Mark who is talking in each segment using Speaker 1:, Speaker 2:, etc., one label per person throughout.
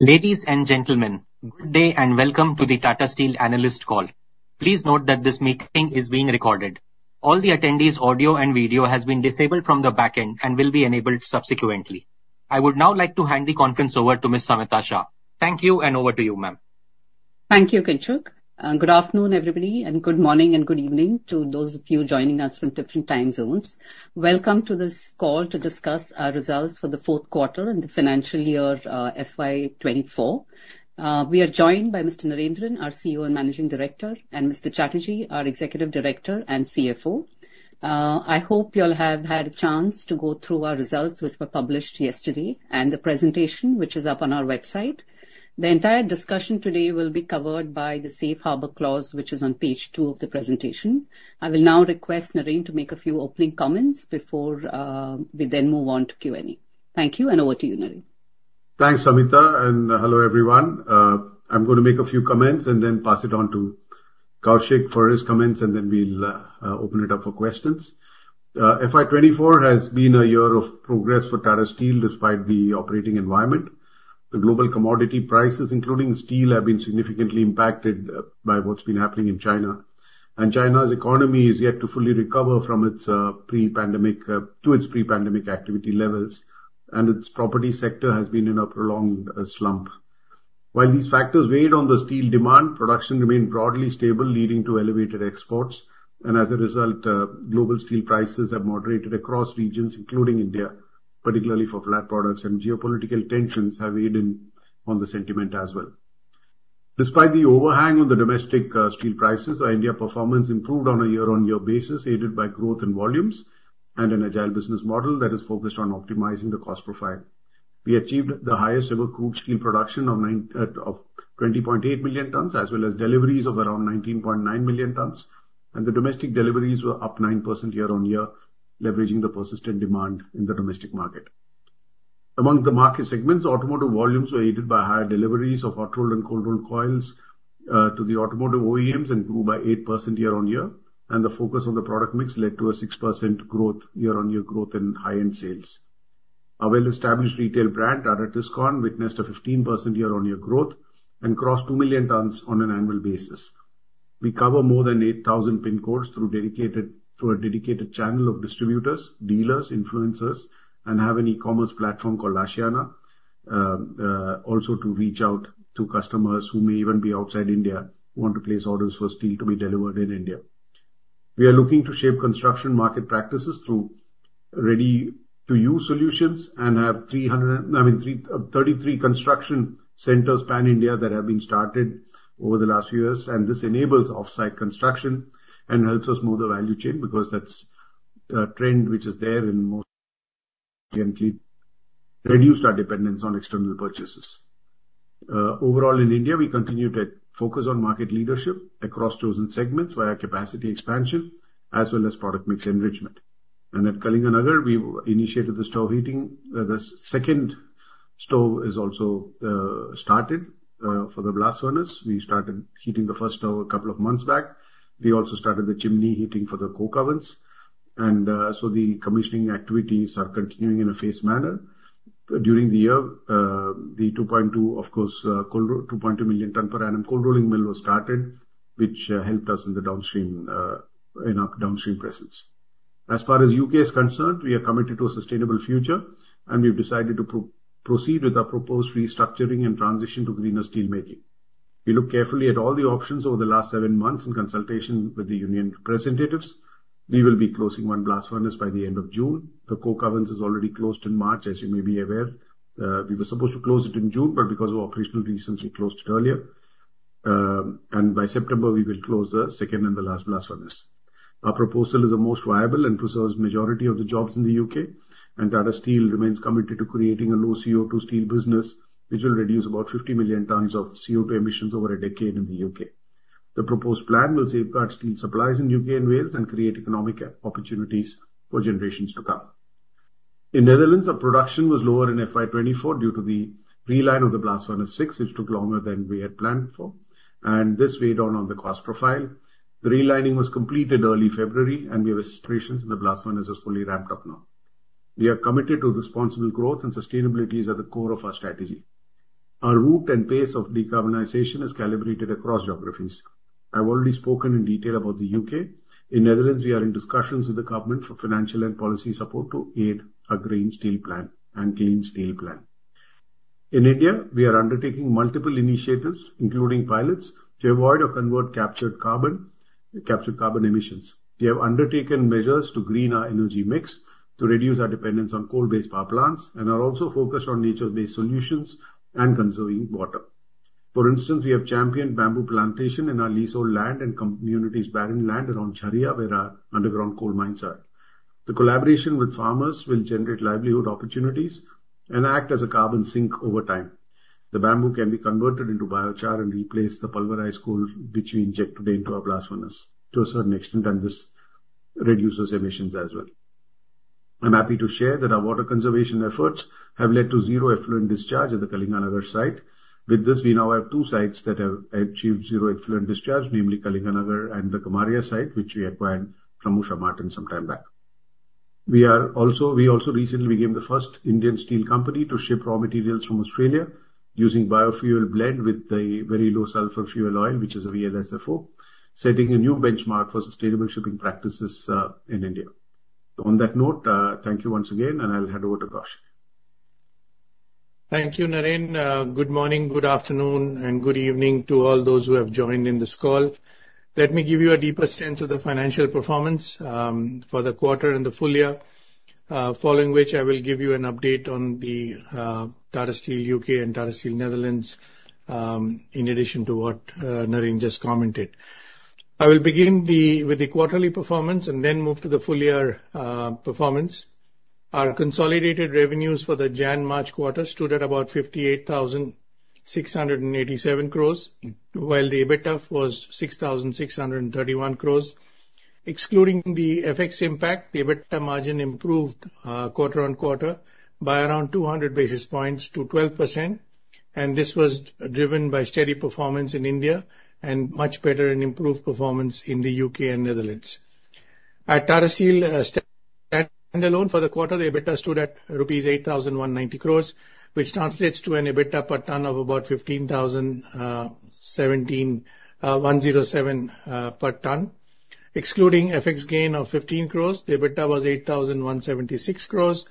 Speaker 1: Ladies and gentlemen, good day and welcome to the Tata Steel Analyst call. Please note that this meeting is being recorded. All the attendees' audio and video have been disabled from the backend and will be enabled subsequently. I would now like to hand the conference over to Ms. Samita Shah. Thank you, and over to you, ma'am.
Speaker 2: Thank you, Kinshuk. Good afternoon, everybody, and good morning and good evening to those of you joining us from different time zones. Welcome to this call to discuss our results for the fourth quarter in the financial year FY24. We are joined by Mr. Narendran, our CEO and Managing Director, and Mr. Chatterjee, our Executive Director and CFO. I hope you all have had a chance to go through our results, which were published yesterday, and the presentation, which is up on our website. The entire discussion today will be covered by the Safe Harbor Clause, which is on page 2 of the presentation. I will now request Narendran to make a few opening comments before we then move on to Q&A. Thank you, and over to you, Narendran.
Speaker 3: Thanks, Samita, and hello everyone. I'm going to make a few comments and then pass it on to Koushik for his comments, and then we'll open it up for questions. FY24 has been a year of progress for Tata Steel despite the operating environment. The global commodity prices, including steel, have been significantly impacted by what's been happening in China. China's economy is yet to fully recover from its pre-pandemic activity levels, and its property sector has been in a prolonged slump. While these factors weighed on the steel demand, production remained broadly stable, leading to elevated exports. As a result, global steel prices have moderated across regions, including India, particularly for flat products, and geopolitical tensions have weighed in on the sentiment as well. Despite the overhang on the domestic steel prices, India's performance improved on a year-on-year basis, aided by growth in volumes and an agile business model that is focused on optimizing the cost profile. We achieved the highest-ever crude steel production of 20.8 million tons, as well as deliveries of around 19.9 million tons. The domestic deliveries were up 9% year-on-year, leveraging the persistent demand in the domestic market. Among the market segments, automotive volumes were aided by higher deliveries of hot-rolled and cold-rolled coils to the automotive OEMs and grew by 8% year-on-year. The focus on the product mix led to a 6% year-on-year growth in high-end sales. Our well-established retail brand, Tata Tiscon, witnessed a 15% year-on-year growth and crossed 2 million tons on an annual basis. We cover more than 8,000 PIN codes through a dedicated channel of distributors, dealers, influencers, and have an e-commerce platform called Aashiyana, also to reach out to customers who may even be outside India who want to place orders for steel to be delivered in India. We are looking to shape construction market practices through ready-to-use solutions and have 33 construction centers pan-India that have been started over the last few years. This enables offsite construction and helps us move the value chain because that's a trend which is there and can reduce our dependence on external purchases. Overall, in India, we continue to focus on market leadership across chosen segments via capacity expansion as well as product mix enrichment. At Kalinganagar, we initiated the stove heating. The second stove is also started for the blast furnaces. We started heating the first stove a couple of months back. We also started the chimney heating for the coke ovens. The commissioning activities are continuing in a phased manner. During the year, the 2.2 million tons per annum cold-rolling mill was started, which helped us in the downstream presence. As far as the U.K. is concerned, we are committed to a sustainable future, and we've decided to proceed with our proposed restructuring and transition to greener steelmaking. We looked carefully at all the options over the last seven months in consultation with the union representatives. We will be closing one blast furnace by the end of June. The coke ovens are already closed in March, as you may be aware. We were supposed to close it in June, but because of operational reasons, we closed it earlier. By September, we will close the second and the last blast furnace. Our proposal is the most viable and preserves the majority of the jobs in the U.K. Tata Steel remains committed to creating a low CO2 steel business, which will reduce about 50 million tons of CO2 emissions over a decade in the U.K. The proposed plan will safeguard steel supplies in the U.K. and Wales and create economic opportunities for generations to come. In the Netherlands, our production was lower in FY24 due to the reline of the Blast Furnace 6, which took longer than we had planned for. This weighed on the cost profile. The relining was completed early February, and we have no restrictions, and the blast furnace is fully ramped up now. We are committed to responsible growth, and sustainability is at the core of our strategy. Our route and pace of decarbonization are calibrated across geographies. I've already spoken in detail about the U.K. In the Netherlands, we are in discussions with the government for financial and policy support to aid our green steel plan and clean steel plan. In India, we are undertaking multiple initiatives, including pilots, to avoid or convert captured carbon emissions. We have undertaken measures to green our energy mix, to reduce our dependence on coal-based power plants, and are also focused on nature-based solutions and conserving water. For instance, we have championed bamboo plantation in our leasehold land and communities' barren land around Jharia, where our underground coal mines are. The collaboration with farmers will generate livelihood opportunities and act as a carbon sink over time. The bamboo can be converted into biochar and replace the pulverized coal which we inject today into our blast furnaces, to a certain extent, and this reduces emissions as well. I'm happy to share that our water conservation efforts have led to zero effluent discharge at the Kalinganagar site. With this, we now have two sites that have achieved zero effluent discharge, namely Kalinganagar and the Gamharia site, which we acquired from Usha Martin some time back. We also recently became the first Indian steel company to ship raw materials from Australia using biofuel blend with the very low-sulfur fuel oil, which is a VLSFO, setting a new benchmark for sustainable shipping practices in India. On that note, thank you once again, and I'll hand over to Koushik.
Speaker 4: Thank you, Narendran. Good morning, good afternoon, and good evening to all those who have joined in this call. Let me give you a deeper sense of the financial performance for the quarter and the full year, following which I will give you an update on the Tata Steel UK and Tata Steel Netherlands, in addition to what Narendran just commented. I will begin with the quarterly performance and then move to the full-year performance. Our consolidated revenues for the Jan-March quarter stood at about 58,687 crores, while the EBITDA was 6,631 crores. Excluding the FX impact, the EBITDA margin improved quarter-over-quarter by around 200 basis points to 12%, and this was driven by steady performance in India and much better and improved performance in the UK and Netherlands. At Tata Steel standalone for the quarter, the EBITDA stood at Rs. 8,190 crores, which translates to an EBITDA per ton of about 1,107 per ton. Excluding FX gain of 15 crores, the EBITDA was 8,176 crores,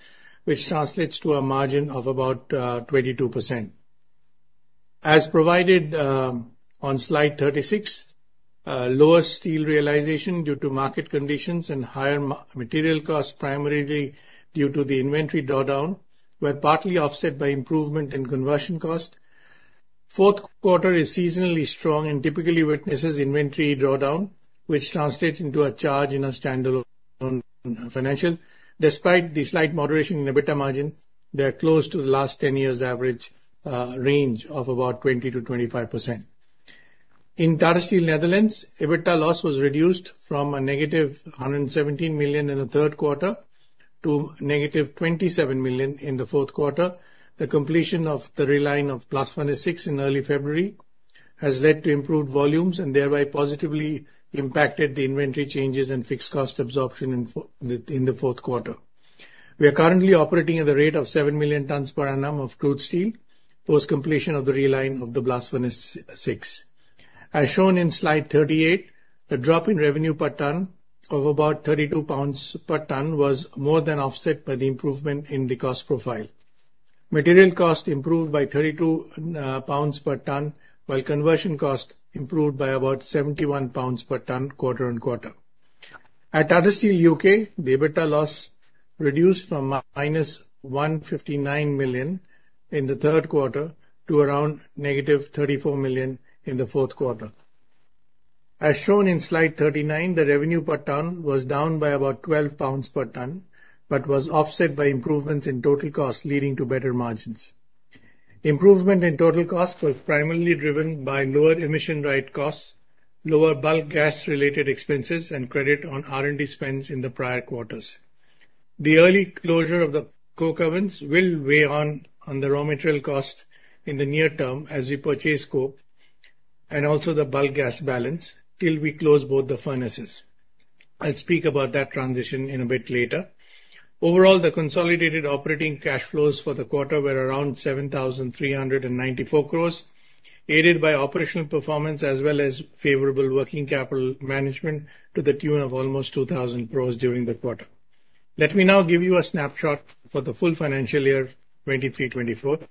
Speaker 4: which translates to a margin of about 22%. As provided on slide 36, lower steel realization due to market conditions and higher material costs, primarily due to the inventory drawdown, were partly offset by improvement in conversion cost. The fourth quarter is seasonally strong and typically witnesses inventory drawdown, which translates into a charge in our standalone financial. Despite the slight moderation in EBITDA margin, they are close to the last 10 years' average range of about 20%-25%. In Tata Steel Netherlands, EBITDA loss was reduced from a negative 117 million in the third quarter to negative 27 million in the fourth quarter. The completion of the reline of Blast Furnace 6 in early February has led to improved volumes and thereby positively impacted the inventory changes and fixed cost absorption in the fourth quarter. We are currently operating at a rate of 7 million tons per annum of crude steel post-completion of the reline of the Blast Furnace 6. As shown in slide 38, the drop in revenue per ton of about 32 pounds per ton was more than offset by the improvement in the cost profile. Material cost improved by 32 pounds per ton, while conversion cost improved by about 71 pounds per ton quarter on quarter. At Tata Steel UK, the EBITDA loss reduced from minus 159 million in the third quarter to around negative 34 million in the fourth quarter. As shown in slide 39, the revenue per ton was down by about INR 12 per ton but was offset by improvements in total costs leading to better margins. Improvement in total costs was primarily driven by lower emission-right costs, lower bulk gas-related expenses, and credit on R&D spends in the prior quarters. The early closure of the coke ovens will weigh on the raw material cost in the near term as we purchase coke and also the bulk gas balance till we close both the furnaces. I'll speak about that transition in a bit later. Overall, the consolidated operating cash flows for the quarter were around 7,394 crores, aided by operational performance as well as favorable working capital management to the tune of almost 2,000 crores during the quarter. Let me now give you a snapshot for the full financial year 2023/24.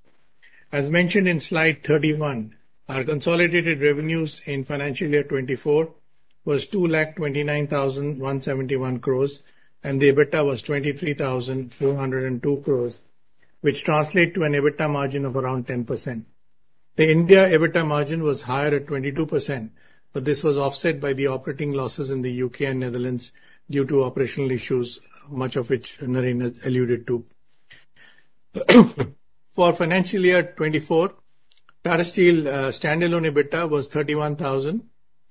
Speaker 4: As mentioned in slide 31, our consolidated revenues in financial year 2024 were 229,171 crore, and the EBITDA was 23,402 crore, which translates to an EBITDA margin of around 10%. The India EBITDA margin was higher at 22%, but this was offset by the operating losses in the U.K. and Netherlands due to operational issues, much of which Narendran alluded to. For financial year 2024, Tata Steel standalone EBITDA was 31,000 crore,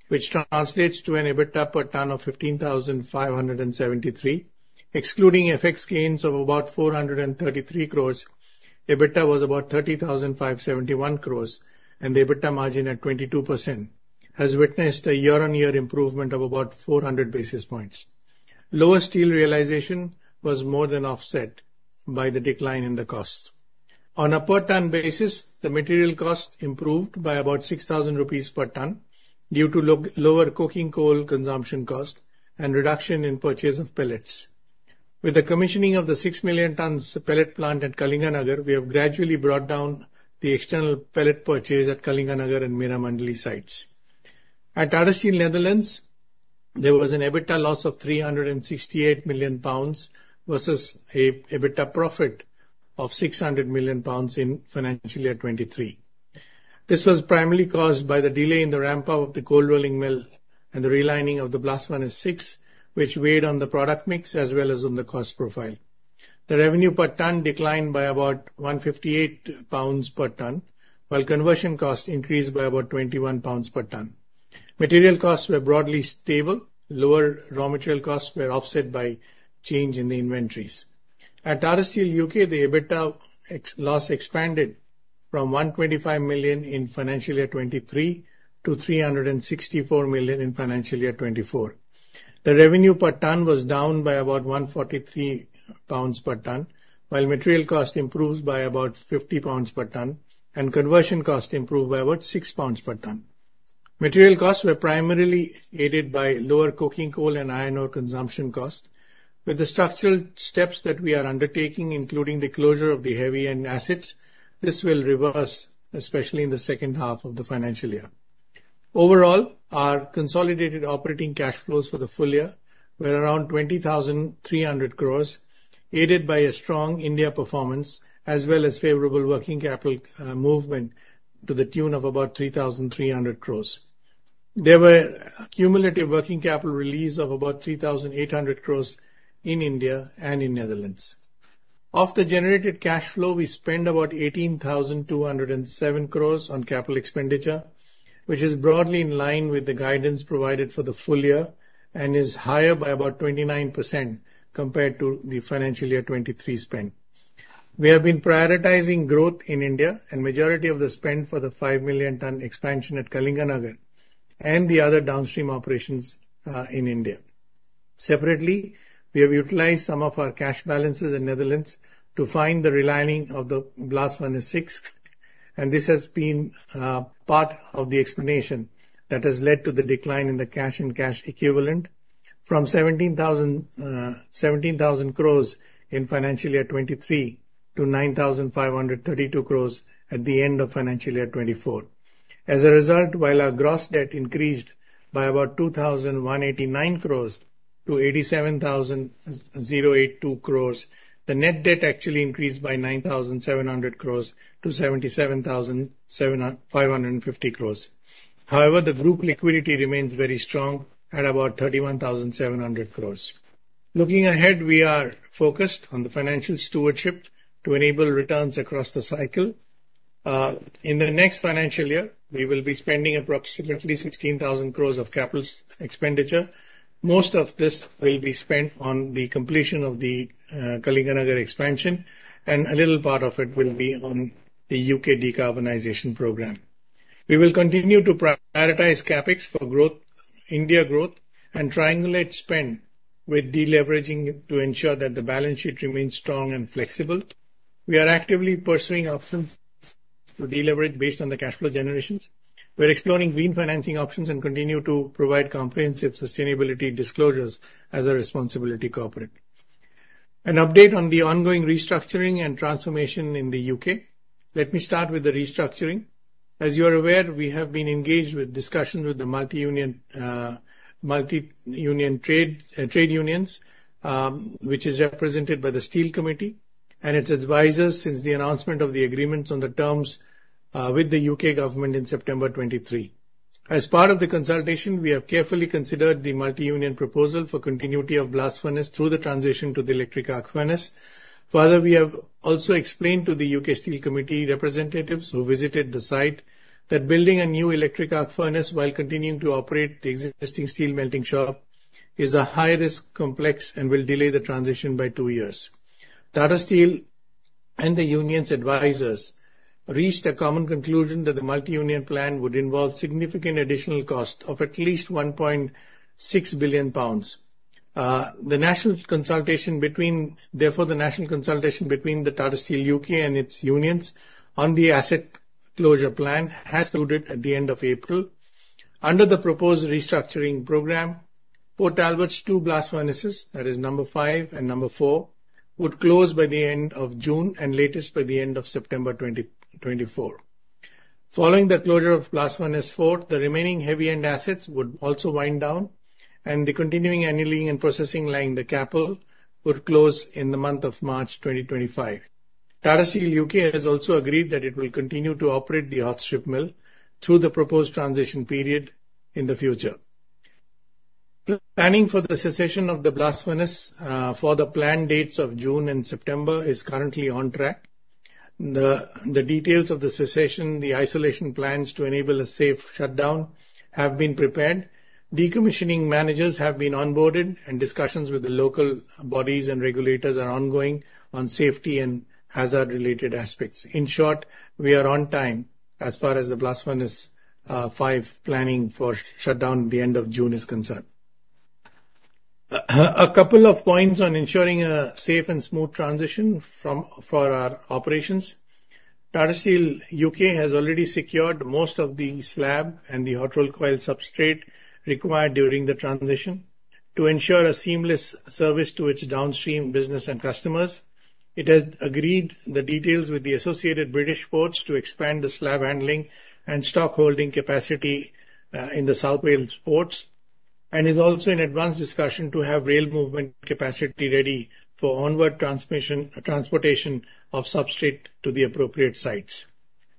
Speaker 4: which translates to an EBITDA per ton of 15,573. Excluding FX gains of about 433 crore, EBITDA was about 30,571 crore, and the EBITDA margin at 22% has witnessed a year-on-year improvement of about 400 basis points. Lower steel realization was more than offset by the decline in the costs. On a per-ton basis, the material cost improved by about 6,000 rupees per ton due to lower coking coal consumption costs and reduction in purchase of pellets. With the commissioning of the 6 million tons pellet plant at Kalinganagar, we have gradually brought down the external pellet purchase at Kalinganagar and Meramandali sites. At Tata Steel Netherlands, there was an EBITDA loss of 368 million pounds versus an EBITDA profit of 600 million pounds in financial year 2023. This was primarily caused by the delay in the ramp-up of the cold-rolling mill and the relining of the Blast FBrnace 6, which weighed on the product mix as well as on the cost profile. The revenue per ton declined by about 158 pounds per ton, while conversion costs increased by about 21 pounds per ton. Material costs were broadly stable. Lower raw material costs were offset by change in the inventories. At Tata Steel UK, the EBITDA loss expanded from 125 million in financial year 2023 to 364 million in financial year 2024. The revenue per ton was down by about INR 143 per ton, while material costs improved by about INR 50 per ton, and conversion costs improved by about INR 6 per ton. Material costs were primarily aided by lower coking coal and iron ore consumption costs. With the structural steps that we are undertaking, including the closure of the heavy end assets, this will reverse, especially in the second half of the financial year. Overall, our consolidated operating cash flows for the full year were around 20,300 crores, aided by a strong India performance as well as favorable working capital movement to the tune of about 3,300 crores. There was a cumulative working capital release of about 3,800 crores in India and in the Netherlands. Of the generated cash flow, we spend about 18,207 crores on capital expenditure, which is broadly in line with the guidance provided for the full year and is higher by about 29% compared to the financial year 2023 spend. We have been prioritizing growth in India and the majority of the spend for the five million ton expansion at Kalinganagar and the other downstream operations in India. Separately, we have utilized some of our cash balances in the Netherlands to fund the relining of the Blast Furnace 6, and this has been part of the explanation that has led to the decline in the cash and cash equivalents from 17,000 crores in financial year 2023 to 9,532 crores at the end of financial year 2024. As a result, while our gross debt increased by about 2,189 crores to 87,082 crores, the net debt actually increased by 9,700 crores to 77,550 crores. However, the group liquidity remains very strong at about 31,700 crores. Looking ahead, we are focused on the financial stewardship to enable returns across the cycle. In the next financial year, we will be spending approximately 16,000 crores of capital expenditure. Most of this will be spent on the completion of the Kalinganagar expansion, and a little part of it will be on the UK decarbonization program. We will continue to prioritize CAPEX for India growth and triangulate spend with deleveraging to ensure that the balance sheet remains strong and flexible. We are actively pursuing options to deleverage based on the cash flow generations. We're exploring green financing options and continue to provide comprehensive sustainability disclosures as a responsible corporate. An update on the ongoing restructuring and transformation in the UK. Let me start with the restructuring. As you are aware, we have been engaged with discussions with the multi-union trade unions, which is represented by the Steel Committee and its advisors since the announcement of the agreements on the terms with the UK government in September 2023. As part of the consultation, we have carefully considered the multi-union proposal for continuity of blast furnace through the transition to the electric arc furnace. Further, we have also explained to the UK Steel Committee representatives who visited the site that building a new electric arc furnace while continuing to operate the existing steel melting shop is a high-risk complex and will delay the transition by two years. Tata Steel and the union's advisors reached a common conclusion that the multi-union plan would involve significant additional costs of at least 1.6 billion pounds. The national consultation between the Tata Steel UK and its unions on the asset closure plan has concluded at the end of April. Under the proposed restructuring program, Port Talbot's two blast furnaces, that is number 5 and number 4, would close by the end of June and latest by the end of September 2024. Following the closure of Blast Furnace 4, the remaining heavy end assets would also wind down, and the continuous annealing and processing line the CAPL would close in the month of March 2025. Tata Steel UK has also agreed that it will continue to operate the hot strip mill through the proposed transition period in the future. Planning for the cessation of the blast furnace for the planned dates of June and September is currently on track. The details of the cessation, the isolation plans to enable a safe shutdown, have been prepared. Decommissioning managers have been onboarded, and discussions with the local bodies and regulators are ongoing on safety and hazard-related aspects. In short, we are on time as far as the Blast Furnace 5 planning for shutdown at the end of June is concerned. A couple of points on ensuring a safe and smooth transition for our operations. Tata Steel UK has already secured most of the slab and the hot-rolled coil substrate required during the transition to ensure a seamless service to its downstream business and customers. It has agreed the details with the Associated British Ports to expand the slab handling and stock holding capacity in the South Wales ports and is also in advanced discussion to have rail movement capacity ready for onward transportation of substrate to the appropriate sites.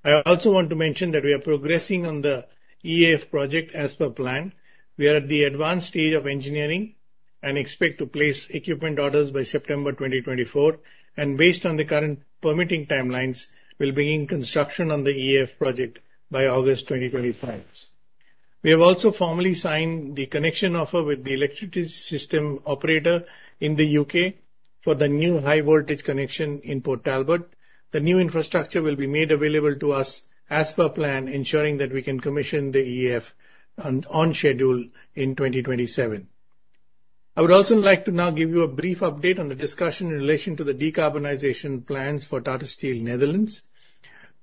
Speaker 4: I also want to mention that we are progressing on the EAF project as per plan. We are at the advanced stage of engineering and expect to place equipment orders by September 2024. Based on the current permitting timelines, we'll begin construction on the EAF project by August 2025. We have also formally signed the connection offer with the Electricity System Operator in the U.K. for the new high voltage connection in Port Talbot. The new infrastructure will be made available to us as per plan, ensuring that we can commission the EAF on schedule in 2027. I would also like to now give you a brief update on the discussion in relation to the decarbonization plans for Tata Steel Netherlands.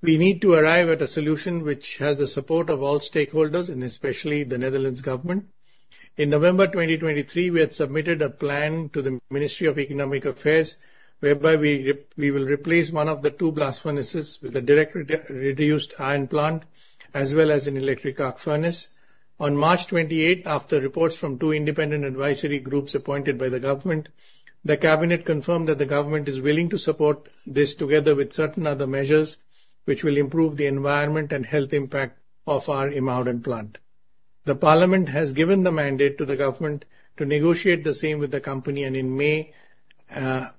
Speaker 4: We need to arrive at a solution which has the support of all stakeholders and especially the Netherlands government. In November 2023, we had submitted a plan to the Ministry of Economic Affairs whereby we will replace one of the two Blast Furnaces with a Direct Reduced Iron plant as well as an Electric Arc Furnace. On March 28, after reports from two independent advisory groups appointed by the government, the Cabinet confirmed that the government is willing to support this together with certain other measures which will improve the environment and health impact of our IJmuiden plant. The Parliament has given the mandate to the government to negotiate the same with the company, and in May, the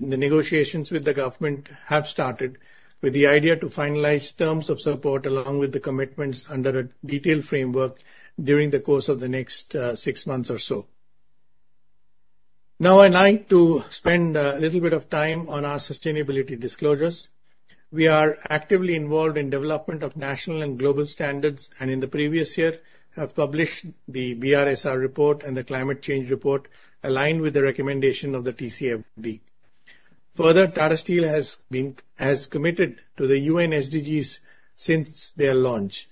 Speaker 4: negotiations with the government have started with the idea to finalize terms of support along with the commitments under a detailed framework during the course of the next six months or so. Now I'd like to spend a little bit of time on our sustainability disclosures. We are actively involved in the development of national and global standards and in the previous year have published the BRSR report and the climate change report aligned with the recommendation of the TCFD. Further, Tata Steel has been committed to the UN SDGs since their launch.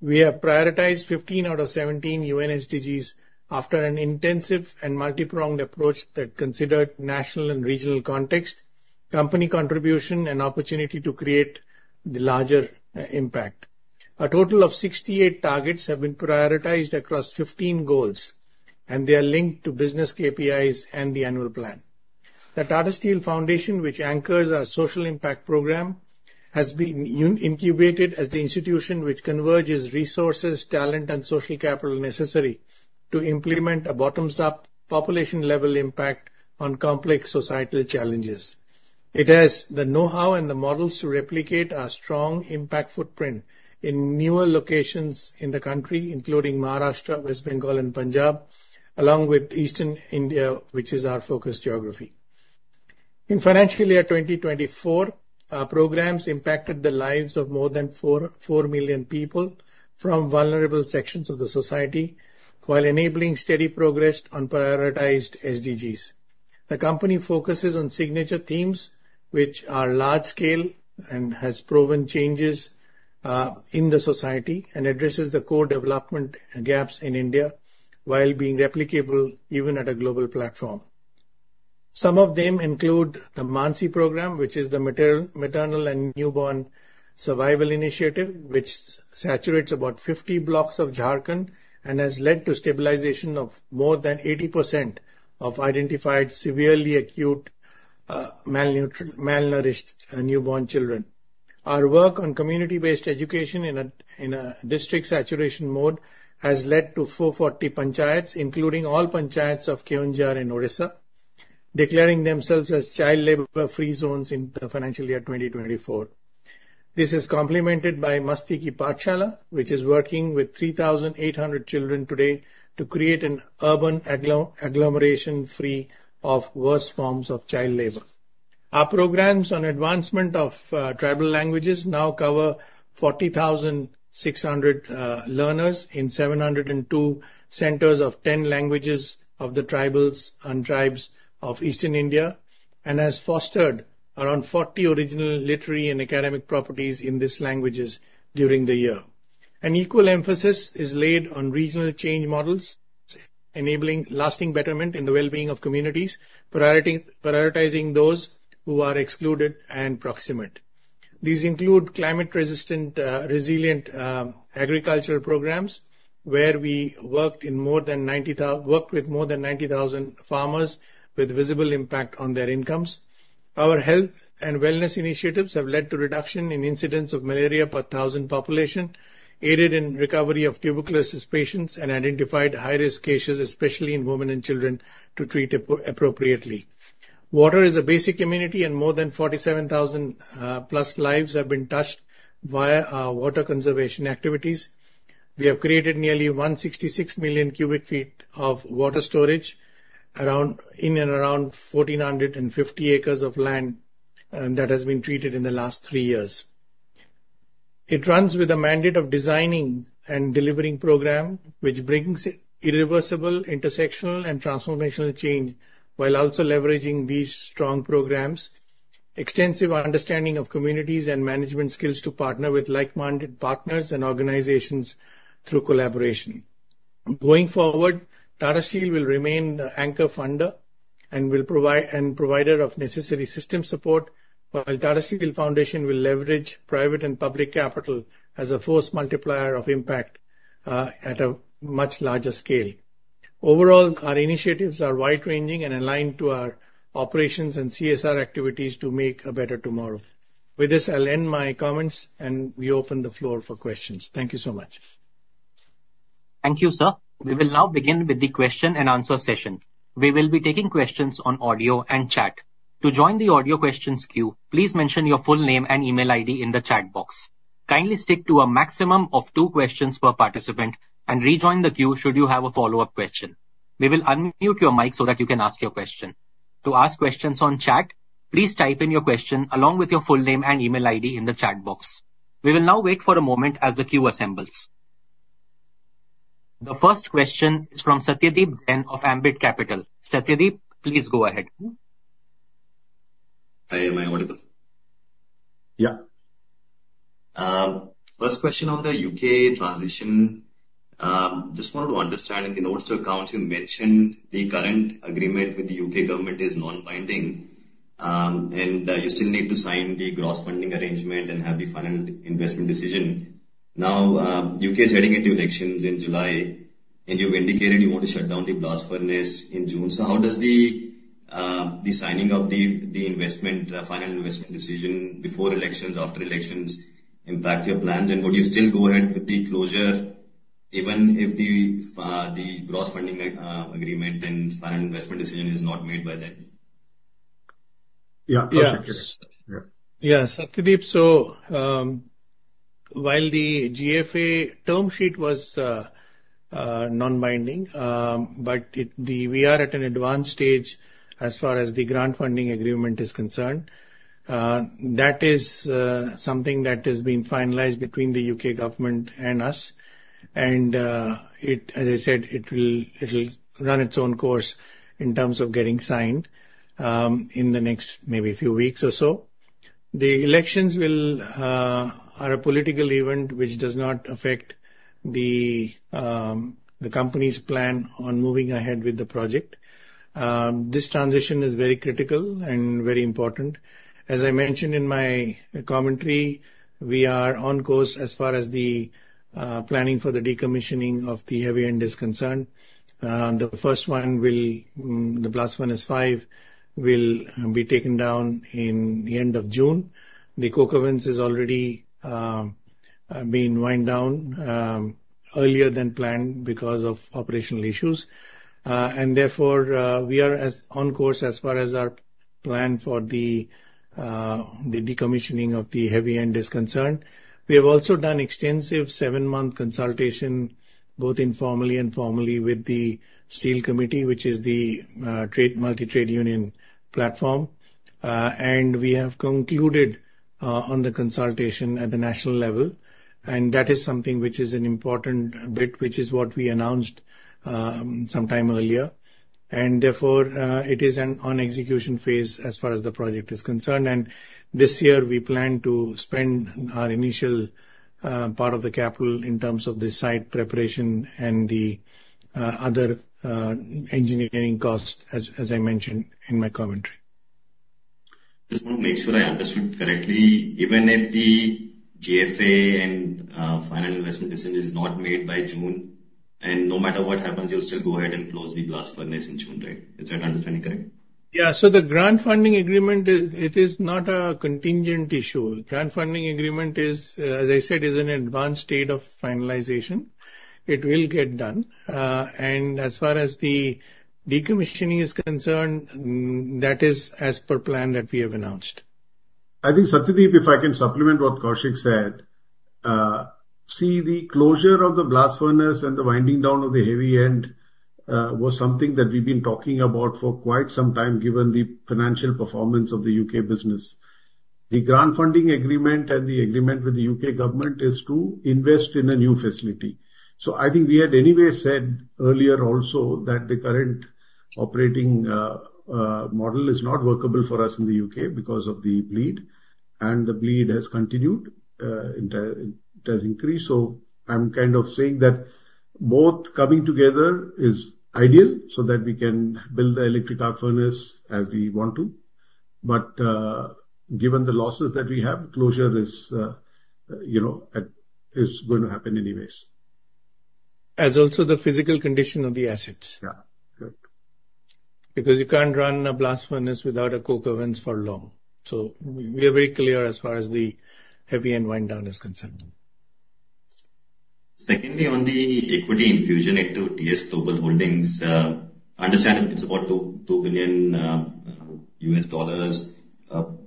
Speaker 4: We have prioritized 15 out of 17 UN SDGs after an intensive and multi-pronged approach that considered national and regional context, company contribution, and opportunity to create the larger impact. A total of 68 targets have been prioritized across 15 goals, and they are linked to business KPIs and the annual plan. The Tata Steel Foundation, which anchors our social impact program, has been incubated as the institution which converges resources, talent, and social capital necessary to implement a bottoms-up population-level impact on complex societal challenges. It has the know-how and the models to replicate our strong impact footprint in newer locations in the country, including Maharashtra, West Bengal, and Punjab, along with Eastern India, which is our focus geography. In financial year 2024, our programs impacted the lives of more than 4 million people from vulnerable sections of the society while enabling steady progress on prioritized SDGs. The company focuses on signature themes, which are large-scale and have proven changes in the society, and addresses the core development gaps in India while being replicable even at a global platform. Some of them include the MANSI program, which is the Maternal and Newborn Survival Initiative, which saturates about 50 blocks of Jharkhand and has led to stabilization of more than 80% of identified severely acute malnourished newborn children. Our work on community-based education in a district saturation mode has led to 440 panchayats, including all panchayats of Keonjhar and Odisha, declaring themselves as child labor-free zones in the financial year 2024. This is complemented by Masti Ki Pathshala, which is working with 3,800 children today to create an urban agglomeration free of worse forms of child labor. Our programs on advancement of tribal languages now cover 40,600 learners in 702 centers of 10 languages of the tribes and tribes of Eastern India and have fostered around 40 original literary and academic properties in these languages during the year. An equal emphasis is laid on regional change models, enabling lasting betterment in the well-being of communities, prioritizing those who are excluded and proximate. These include climate-resilient agricultural programs where we worked with more than 90,000 farmers with visible impact on their incomes. Our health and wellness initiatives have led to a reduction in incidence of malaria per 1,000 population, aided in the recovery of tuberculous patients, and identified high-risk cases, especially in women and children, to treat appropriately. Water is a basic immunity, and more than 47,000+ lives have been touched via our water conservation activities. We have created nearly 166 million cubic feet of water storage in and around 1,450 acres of land that has been treated in the last three years. It runs with a mandate of designing and delivering a program which brings irreversible intersectional and transformational change while also leveraging these strong programs, extensive understanding of communities, and management skills to partner with like-minded partners and organizations through collaboration. Going forward, Tata Steel will remain the anchor funder and provider of necessary system support, while Tata Steel Foundation will leverage private and public capital as a force multiplier of impact at a much larger scale. Overall, our initiatives are wide-ranging and aligned to our operations and CSR activities to make a better tomorrow. With this, I'll end my comments, and we open the floor for questions. Thank you so much.
Speaker 1: Thank you, sir. We will now begin with the question and answer session. We will be taking questions on audio and chat. To join the audio questions queue, please mention your full name and email ID in the chat box. Kindly stick to a maximum of two questions per participant and rejoin the queue should you have a follow-up question. We will unmute your mic so that you can ask your question. To ask questions on chat, please type in your question along with your full name and email ID in the chat box. We will now wait for a moment as the queue assembles. The first question is from Satyadeep Jain of Ambit Capital. Satyadeep, please go ahead.
Speaker 5: Hi, Samita. How are you?
Speaker 2: Yeah.
Speaker 5: First question on the UK transition. Just wanted to understand, in order to account, you mentioned the current agreement with the UK government is non-binding, and you still need to sign the gross funding arrangement and have the final investment decision. Now, the UK is heading into elections in July, and you've indicated you want to shut down the blast furnace in June. So how does the signing of the final investment decision before elections, after elections, impact your plans? And would you still go ahead with the closure even if the gross funding agreement and final investment decision is not made by then?
Speaker 4: Yeah, yeah. Yeah, Satyadeep, so while the GFA term sheet was non-binding, but we are at an advanced stage as far as the grant funding agreement is concerned. That is something that has been finalized between the UK government and us. And as I said, it will run its own course in terms of getting signed in the next maybe few weeks or so. The elections are a political event which does not affect the company's plan on moving ahead with the project. This transition is very critical and very important. As I mentioned in my commentary, we are on course as far as the planning for the decommissioning of the heavy end is concerned. The first one, the Blast Furnace 5, will be taken down in the end of June. The coke ovens have already been wound down earlier than planned because of operational issues. Therefore, we are on course as far as our plan for the decommissioning of the heavy end is concerned. We have also done extensive 7-month consultation, both informally and formally, with the Steel Committee, which is the multi-trade union platform. We have concluded on the consultation at the national level. That is something which is an important bit, which is what we announced some time earlier. Therefore, it is an on-execution phase as far as the project is concerned. This year, we plan to spend our initial part of the capital in terms of the site preparation and the other engineering costs, as I mentioned in my commentary.
Speaker 5: Just want to make sure I understood correctly, even if the GFA and final investment decision is not made by June, and no matter what happens, you'll still go ahead and close the blast furnace in June, right? Is that understanding correct?
Speaker 3: Yeah. So the grant funding agreement, it is not a contingent issue. The grant funding agreement, as I said, is an advanced state of finalization. It will get done. As far as the decommissioning is concerned, that is as per plan that we have announced.
Speaker 4: I think, Satyadeep, if I can supplement what Koushik said, see, the closure of the blast furnace and the winding down of the heavy end was something that we've been talking about for quite some time given the financial performance of the UK business. The grant funding agreement and the agreement with the UK government is to invest in a new facility. So I think we had anyway said earlier also that the current operating model is not workable for us in the UK because of the bleed. And the bleed has continued, it has increased. So I'm kind of saying that both coming together is ideal so that we can build the electric arc furnace as we want to. But given the losses that we have, closure is going to happen anyways.
Speaker 5: As also the physical condition of the assets.
Speaker 4: Yeah, correct.
Speaker 3: Because you can't run a blast furnace without a coke balance for long. So we are very clear as far as the heavy end wind down is concerned.
Speaker 5: Secondly, on the equity infusion into TS Global Holdings, I understand it's about $2 billion.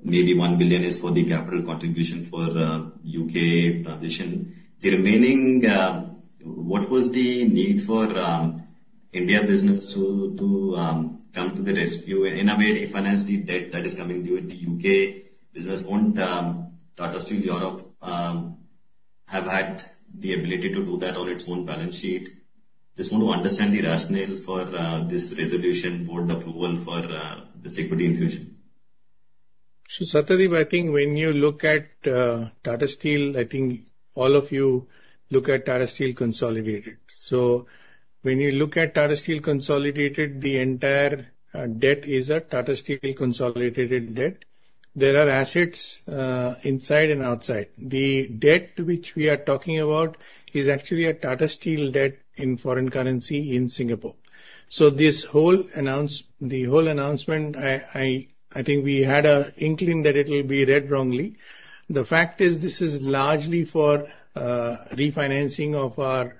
Speaker 5: Maybe $1 billion is for the capital contribution for UK transition. What was the need for India business to come to the rescue in a way, refinance the debt that is coming due with the UK business? Don't Tata Steel Europe have had the ability to do that on its own balance sheet. Just want to understand the rationale for this resolution board approval for this equity infusion.
Speaker 4: So, Satyadeep, I think when you look at Tata Steel, I think all of you look at Tata Steel Consolidated. So when you look at Tata Steel Consolidated, the entire debt is a Tata Steel Consolidated debt. There are assets inside and outside. The debt which we are talking about is actually a Tata Steel debt in foreign currency in Singapore. So the whole announcement, I think we had an inkling that it will be read wrongly. The fact is this is largely for refinancing of our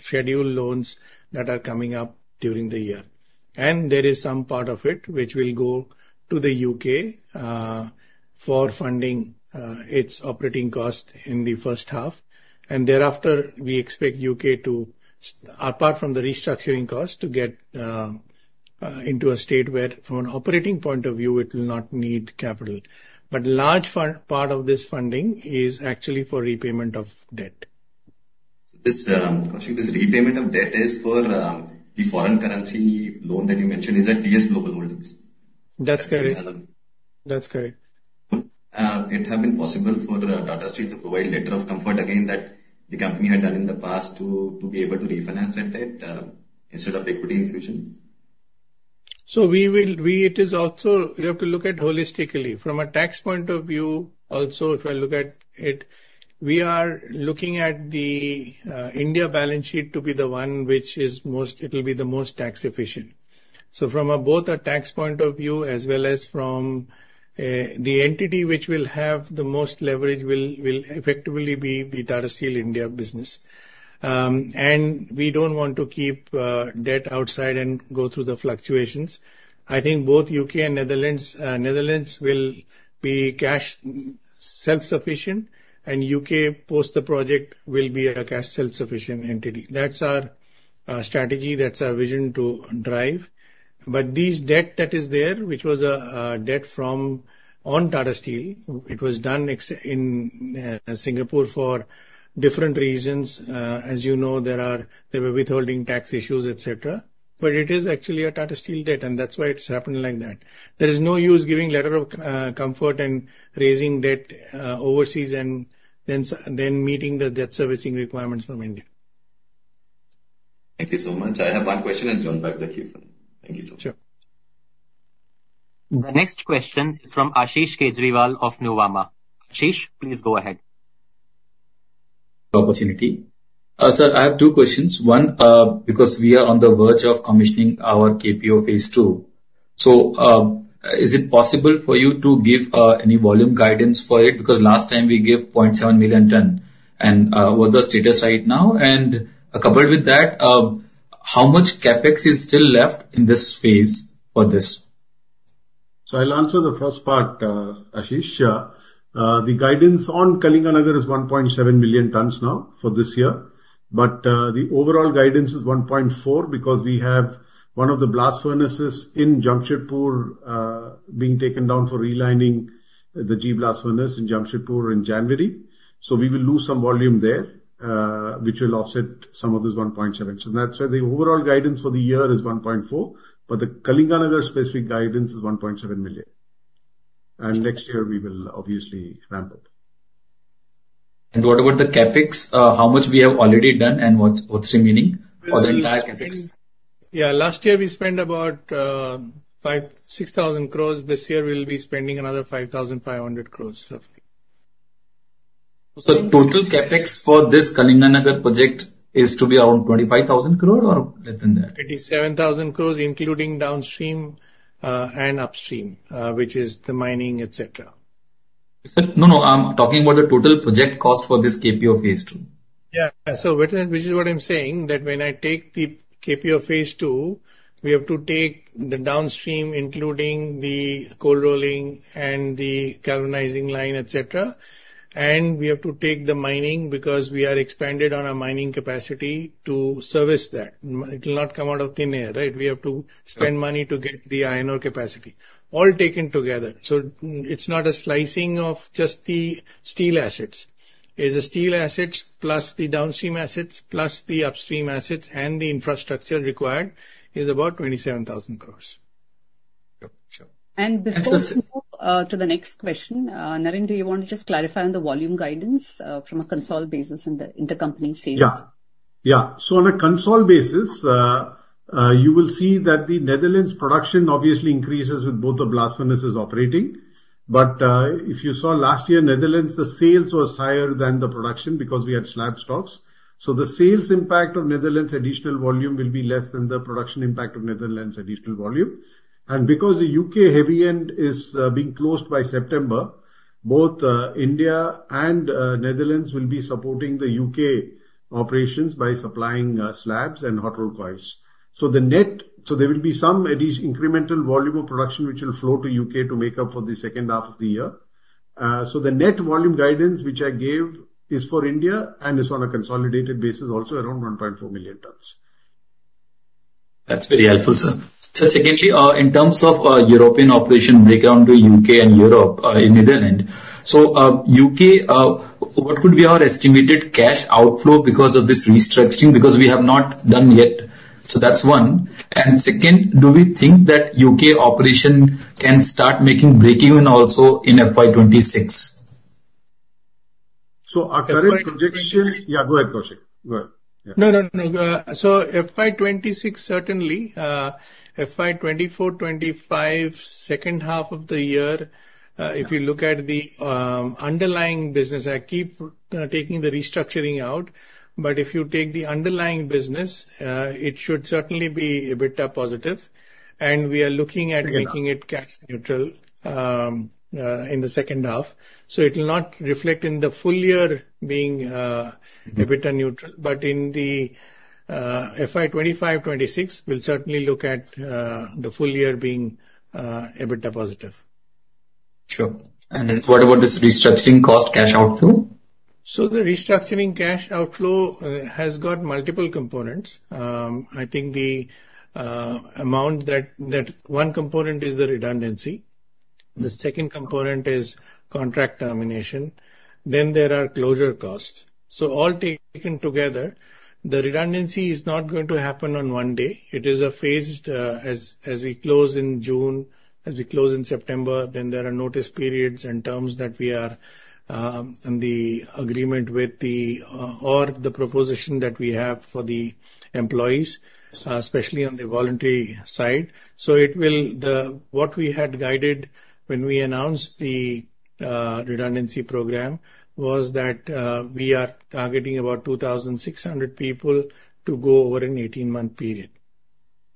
Speaker 4: scheduled loans that are coming up during the year. And there is some part of it which will go to the UK for funding its operating costs in the first half. And thereafter, we expect UK to, apart from the restructuring costs, to get into a state where, from an operating point of view, it will not need capital. But a large part of this funding is actually for repayment of debt.
Speaker 5: Koushik, this repayment of debt is for the foreign currency loan that you mentioned. Is that TS Global Holdings?
Speaker 4: That's correct. That's correct.
Speaker 5: It has been possible for Tata Steel to provide a letter of comfort again that the company had done in the past to be able to refinance that debt instead of equity infusion?
Speaker 3: So, it is also you have to look at it holistically. From a tax point of view also, if I look at it, we are looking at the India balance sheet to be the one which is most; it will be the most tax efficient. So from both a tax point of view as well as from the entity which will have the most leverage will effectively be the Tata Steel India business. And we don't want to keep debt outside and go through the fluctuations. I think both UK and Netherlands will be cash self-sufficient, and UK post the project will be a cash self-sufficient entity. That's our strategy, that's our vision to drive. But this debt that is there, which was a debt from Tata Steel, it was done in Singapore for different reasons. As you know, there were withholding tax issues, etc. But it is actually a Tata Steel debt, and that's why it's happened like that. There is no use giving a letter of comfort and raising debt overseas and then meeting the debt servicing requirements from India.
Speaker 2: Thank you so much. I have one question and jump back to you. Thank you so much.
Speaker 5: Sure.
Speaker 1: The next question is from Ashish Kejriwal of Nuvama. Ashish, please go ahead.
Speaker 6: Opportunity. Sir, I have two questions. One, because we are on the verge of commissioning our KPO Phase 2. So is it possible for you to give any volume guidance for it? Because last time we gave 0.7 million tonnes and what's the status right now? And coupled with that, how much CapEx is still left in this phase for this?
Speaker 4: I'll answer the first part, Ashish. The guidance on Kalinganagar is 1.7 million tonnes now for this year. But the overall guidance is 1.4 because we have one of the blast furnaces in Jamshedpur being taken down for relining the G Blast Furnace in Jamshedpur in January. So we will lose some volume there, which will offset some of this 1.7. So the overall guidance for the year is 1.4, but the Kalinganagar specific guidance is 1.7 million. And next year we will obviously ramp it.
Speaker 6: What about the CapEx, how much we have already done and what's remaining or the entire CapEx?
Speaker 4: Yeah, last year we spent about 6,000 crore. This year we'll be spending another 5,500 crore.
Speaker 6: Total CAPEX for this Kalinganagar project is to be around 25,000 crore or less than that?
Speaker 4: It is 7,000 crore including downstream and upstream, which is the mining, etc.
Speaker 3: No, no, I'm talking about the total project cost for this KPO phase 2.
Speaker 4: Yeah, so which is what I'm saying that when I take the KPO Phase 2, we have to take the downstream including the cold rolling and the coking line, etc. And we have to take the mining because we are expanded on our mining capacity to service that. It will not come out of thin air, right? We have to spend money to get the iron ore capacity all taken together. So it's not a slicing of just the steel assets. The steel assets plus the downstream assets plus the upstream assets and the infrastructure required is about 27,000 crore.
Speaker 6: Before we move to the next question, T.V. Narendran, you want to just clarify on the volume guidance from a consolidated basis and the intercompany sales?
Speaker 4: Yeah, yeah. So on a consolidated basis, you will see that the Netherlands production obviously increases with both the blast furnaces operating. But if you saw last year, Netherlands, the sales was higher than the production because we had slab stocks. So the sales impact of Netherlands' additional volume will be less than the production impact of Netherlands' additional volume. And because the UK heavy end is being closed by September, both India and Netherlands will be supporting the UK operations by supplying slabs and hot-rolled coils. So there will be some incremental volume of production which will flow to UK to make up for the second half of the year. So the net volume guidance which I gave is for India and is on a consolidated basis also around 1.4 million tonnes.
Speaker 6: That's very helpful, sir. So secondly, in terms of European operation breakdown to UK and Europe in Netherlands, so UK, what could be our estimated cash outflow because of this restructuring? Because we have not done yet. So that's one. And second, do we think that UK operation can start making breakeven also in FY26?
Speaker 4: So our current projection, yeah, go ahead, Koushik.
Speaker 3: No, no, no. So FY26 certainly, FY24, 25, second half of the year, if you look at the underlying business, I keep taking the restructuring out. But if you take the underlying business, it should certainly be a bit positive. And we are looking at making it cash neutral in the second half. So it will not reflect in the full year being a bit neutral. But in the FY25, 26, we'll certainly look at the full year being a bit positive.
Speaker 6: Sure. And what about this restructuring cost cash outflow?
Speaker 4: So the restructuring cash outflow has got multiple components. I think the amount that one component is the redundancy. The second component is contract termination. Then there are closure costs. So all taken together, the redundancy is not going to happen on one day. It is a phased. As we close in June, as we close in September, then there are notice periods and terms that we are on the agreement with or the proposition that we have for the employees, especially on the voluntary side. So what we had guided when we announced the redundancy program was that we are targeting about 2,600 people to go over an 18-month period.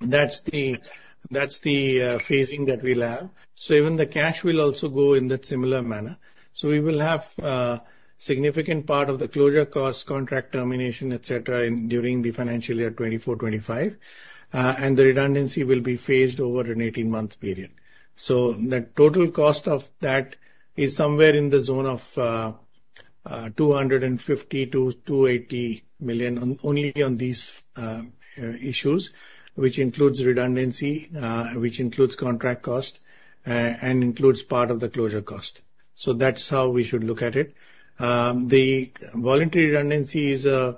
Speaker 4: That's the phasing that we'll have. So even the cash will also go in that similar manner. So we will have a significant part of the closure costs, contract termination, etc. during the financial year 2024, 2025. The redundancy will be phased over an 18-month period. The total cost of that is somewhere in the zone of 250-280 million only on these issues, which includes redundancy, which includes contract cost, and includes part of the closure cost. That's how we should look at it. The voluntary redundancy is an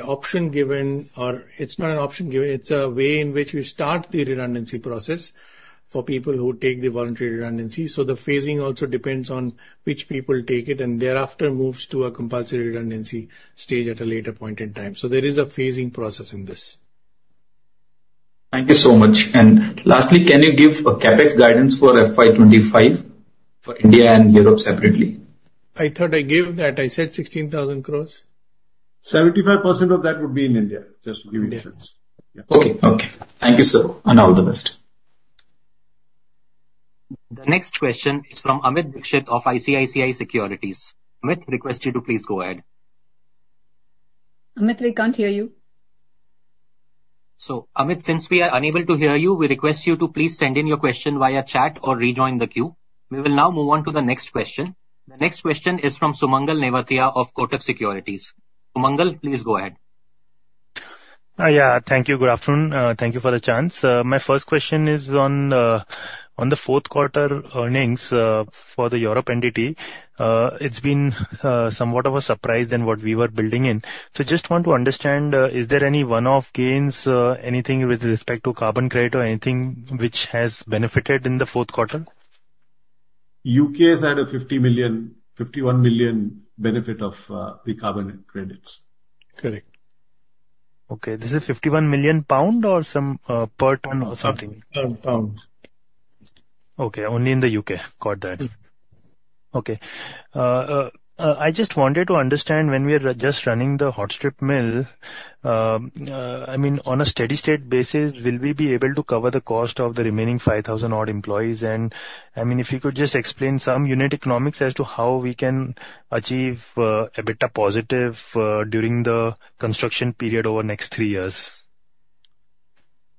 Speaker 4: option given, or it's not an option given. It's a way in which we start the redundancy process for people who take the voluntary redundancy. The phasing also depends on which people take it and thereafter moves to a compulsory redundancy stage at a later point in time. There is a phasing process in this.
Speaker 6: Thank you so much. Lastly, can you give a CAPEX guidance for FY25 for India and Europe separately?
Speaker 3: I thought I gave that. I said 16,000 crore.
Speaker 4: 75% of that would be in India, just to give you a sense.
Speaker 6: Okay, okay. Thank you, sir, and all the best.
Speaker 1: The next question is from Amit Dixit of ICICI Securities. Amit requests you to please go ahead.
Speaker 7: Amit, we can't hear you.
Speaker 1: Amit, since we are unable to hear you, we request you to please send in your question via chat or rejoin the queue. We will now move on to the next question. The next question is from Sumangal Nevatia of Kotak Securities. Sumangal, please go ahead.
Speaker 8: Yeah, thank you. Good afternoon. Thank you for the chance. My first question is on the fourth quarter earnings for the Europe entity. It's been somewhat of a surprise than what we were building in. So just want to understand, is there any one-off gains, anything with respect to carbon credit or anything which has benefited in the fourth quarter?
Speaker 4: UK has had a 51 million benefit of the carbon credits.
Speaker 3: Correct.
Speaker 8: Okay, this is 51 million pound or some per ton or something?
Speaker 3: Pound.
Speaker 8: Okay, only in the UK, got that. Okay. I just wanted to understand when we are just running the Hot Strip Mill, I mean, on a steady state basis, will we be able to cover the cost of the remaining 5,000-odd employees? And I mean, if you could just explain some unit economics as to how we can achieve a bit positive during the construction period over the next three years.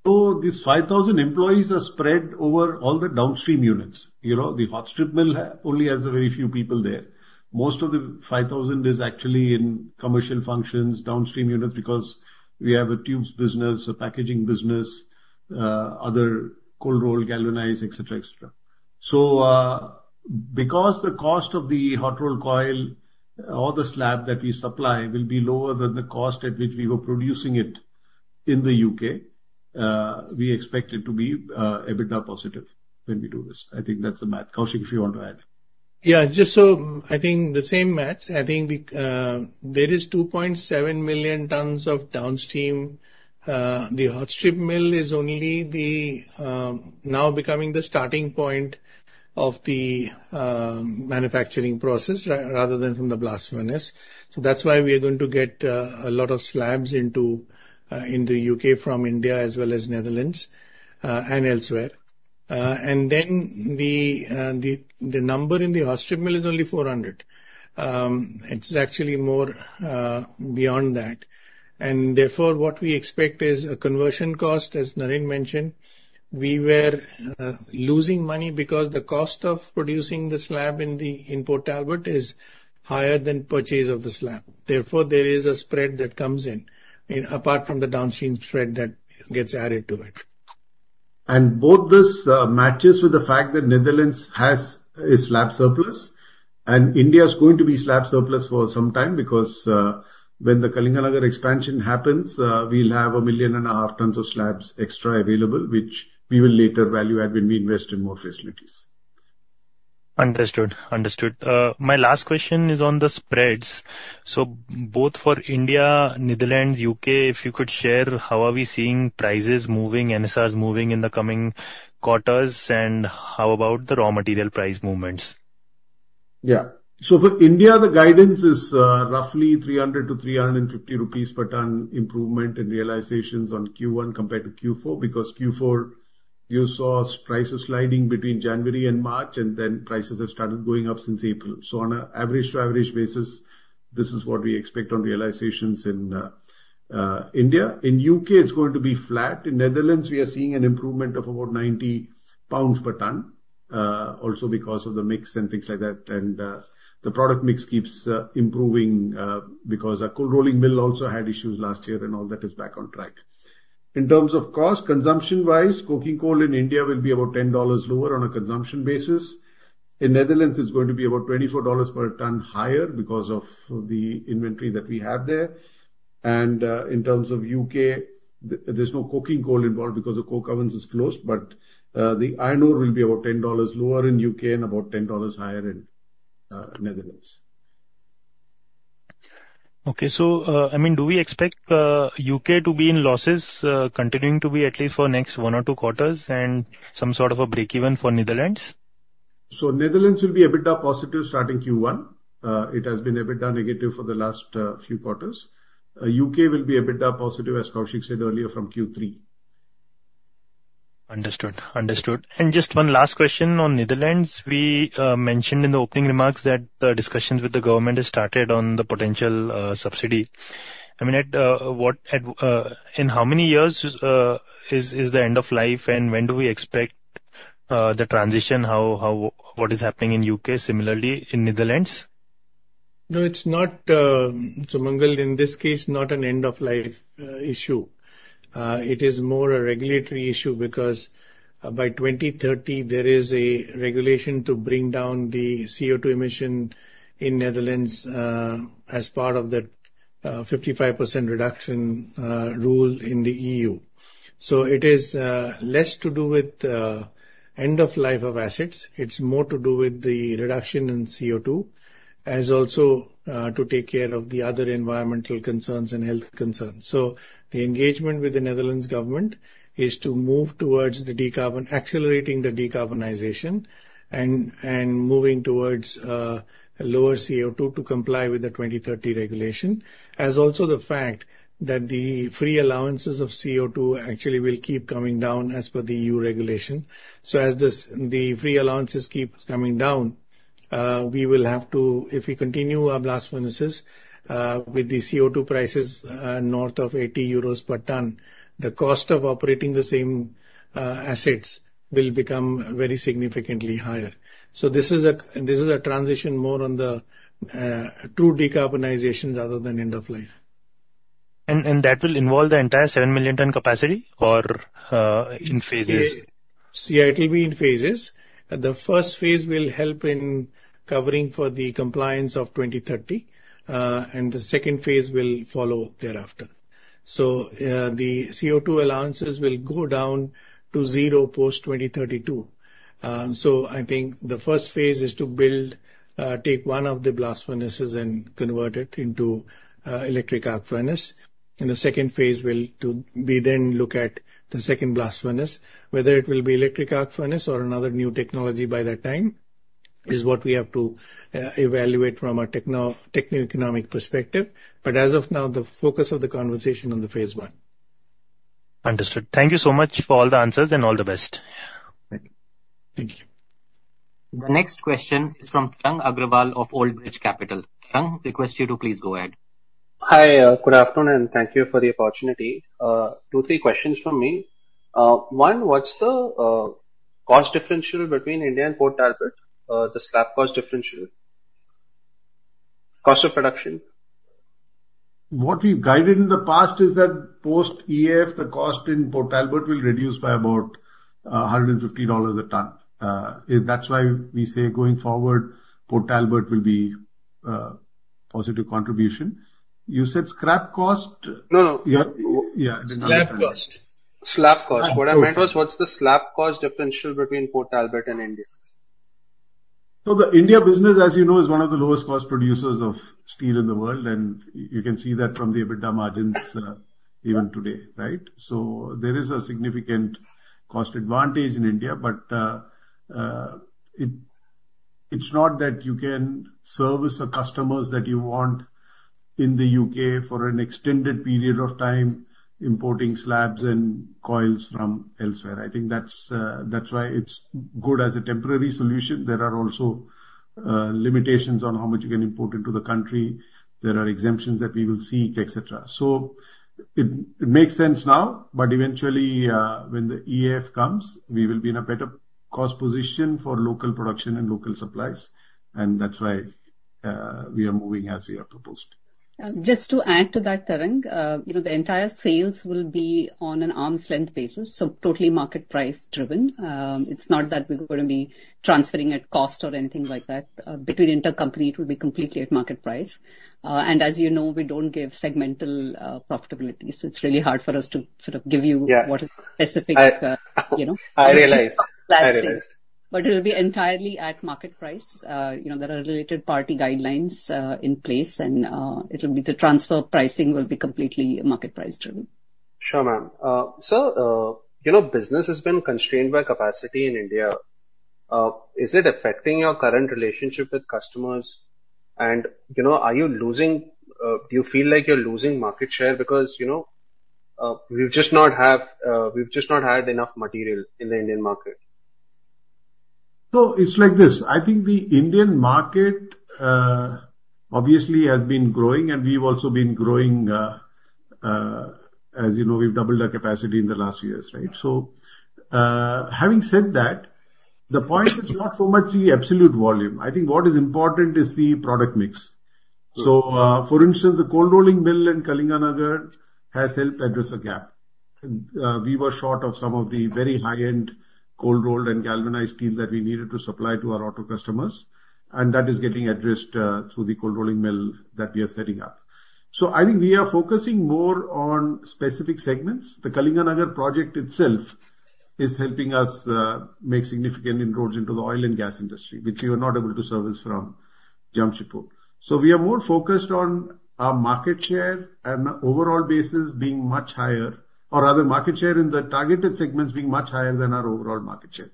Speaker 4: So these 5,000 employees are spread over all the downstream units. The hot strip mill only has very few people there. Most of the 5,000 is actually in commercial functions, downstream units because we have a tubes business, a packaging business, other cold roll, galvanize, etc. So because the cost of the hot-rolled coil or the slab that we supply will be lower than the cost at which we were producing it in the UK, we expect it to be a bit positive when we do this. I think that's the math. Koushik, if you want to add?
Speaker 3: Yeah, just so I think the same math. I think there is 2.7 million tonnes of downstream. The hot strip mill is only now becoming the starting point of the manufacturing process rather than from the blast furnace. So that's why we are going to get a lot of slabs into the UK from India as well as Netherlands and elsewhere. And then the number in the hot strip mill is only 400. It's actually more beyond that. And therefore, what we expect is a conversion cost, as Narendran mentioned, we were losing money because the cost of producing the slab in Port Talbot is higher than the purchase of the slab. Therefore, there is a spread that comes in apart from the downstream spread that gets added to it.
Speaker 4: Both this matches with the fact that the Netherlands has a slab surplus and India is going to be slab surplus for some time because when the Kalinganagar expansion happens, we'll have 1.5 million tons of slabs extra available, which we will later value add when we invest in more facilities.
Speaker 8: Understood, understood. My last question is on the spreads. So both for India, Netherlands, UK, if you could share how are we seeing prices moving, NSRs moving in the coming quarters and how about the raw material price movements?
Speaker 4: Yeah, so for India, the guidance is roughly 300-350 rupees per tonne improvement in realizations on Q1 compared to Q4 because Q4 you saw prices sliding between January and March and then prices have started going up since April. So on an average to average basis, this is what we expect on realizations in India. In UK, it's going to be flat. In Netherlands, we are seeing an improvement of about 90 pounds per tonne also because of the mix and things like that. And the product mix keeps improving because our cold rolling mill also had issues last year and all that is back on track. In terms of cost, consumption-wise, coking coal in India will be about $10 lower on a consumption basis. In Netherlands, it's going to be about $24 per tonne higher because of the inventory that we have there. In terms of U.K., there's no coking coal involved because the coke ovens are closed, but the iron ore will be about $10 lower in U.K. and about $10 higher in Netherlands.
Speaker 8: Okay, so I mean, do we expect U.K. to be in losses continuing to be at least for the next one or two quarters and some sort of a break-even for Netherlands?
Speaker 4: Netherlands will be a bit positive starting Q1. It has been a bit negative for the last few quarters. UK will be a bit positive as Koushik said earlier from Q3.
Speaker 8: Understood, understood. Just one last question on Netherlands. We mentioned in the opening remarks that the discussions with the government have started on the potential subsidy. I mean, in how many years is the end of life and when do we expect the transition? What is happening in U.K. similarly in Netherlands?
Speaker 3: No, it's not, Sumangal, in this case, not an end-of-life issue. It is more a regulatory issue because by 2030, there is a regulation to bring down the CO2 emission in Netherlands as part of that 55% reduction rule in the EU. So it is less to do with the end-of-life of assets. It's more to do with the reduction in CO2 as also to take care of the other environmental concerns and health concerns. So the engagement with the Netherlands government is to move towards the decarbonization, accelerating the decarbonization and moving towards lower CO2 to comply with the 2030 regulation as also the fact that the free allowances of CO2 actually will keep coming down as per the EU regulation. So as the free allowances keep coming down, we will have to, if we continue our blast furnaces with the CO2 prices north of 80 euros per tonne, the cost of operating the same assets will become very significantly higher. So this is a transition more on the true decarbonization rather than end-of-life.
Speaker 8: That will involve the entire 7 million tonne capacity or in phases?
Speaker 3: Yeah, it will be in phases. The first phase will help in covering for the compliance of 2030 and the second phase will follow thereafter. So the CO2 allowances will go down to zero post-2032. So I think the first phase is to take one of the blast furnaces and convert it into an electric arc furnace. And the second phase will be then look at the second blast furnace, whether it will be an electric arc furnace or another new technology by that time is what we have to evaluate from a techno-economic perspective. But as of now, the focus of the conversation is on the phase one.
Speaker 8: Understood. Thank you so much for all the answers and all the best.
Speaker 4: Thank you.
Speaker 1: The next question is from Tarang Agrawal of Old Bridge Capital. Tarang requests you to please go ahead.
Speaker 9: Hi, good afternoon and thank you for the opportunity. Two, three questions from me. One, what's the cost differential between India and Port Talbot, the slab cost differential, cost of production?
Speaker 4: What we've guided in the past is that post-EF, the cost in Port Talbot will reduce by about $150 a tonne. That's why we say going forward, Port Talbot will be a positive contribution. You said scrap cost?
Speaker 3: No, no.
Speaker 4: Yeah, I didn't understand.
Speaker 3: Slab cost.
Speaker 4: Slab cost. What I meant was, what's the slab cost differential between Port Talbot and India? So the India business, as you know, is one of the lowest cost producers of steel in the world and you can see that from the EBITDA margins even today, right? So there is a significant cost advantage in India, but it's not that you can service the customers that you want in the UK for an extended period of time importing slabs and coils from elsewhere. I think that's why it's good as a temporary solution. There are also limitations on how much you can import into the country. There are exemptions that we will seek, etc. So it makes sense now, but eventually when the EF comes, we will be in a better cost position for local production and local supplies. And that's why we are moving as we have proposed.
Speaker 3: Just to add to that, Tarang, the entire sales will be on an arm's length basis, so totally market price driven. It's not that we're going to be transferring at cost or anything like that. Between inter-company, it will be completely at market price. As you know, we don't give segmental profitability. It's really hard for us to sort of give you what is specific.
Speaker 9: I realize.
Speaker 2: It will be entirely at market price. There are related party guidelines in place and it will be the transfer pricing will be completely market price driven.
Speaker 9: Sure, ma'am. Sir, you know business has been constrained by capacity in India. Is it affecting your current relationship with customers? And you know, are you losing, do you feel like you're losing market share because you know we've just not had enough material in the Indian market?
Speaker 4: So it's like this. I think the Indian market obviously has been growing and we've also been growing. As you know, we've doubled our capacity in the last years, right? So having said that, the point is not so much the absolute volume. I think what is important is the product mix. So for instance, the cold-rolling mill in Kalinganagar has helped address a gap. We were short of some of the very high-end cold-rolled and galvanized steel that we needed to supply to our auto customers and that is getting addressed through the cold-rolling mill that we are setting up. So I think we are focusing more on specific segments. The Kalinganagar project itself is helping us make significant inroads into the oil and gas industry, which we were not able to service from Jamshedpur. We are more focused on our market share on an overall basis being much higher or rather market share in the targeted segments being much higher than our overall market share.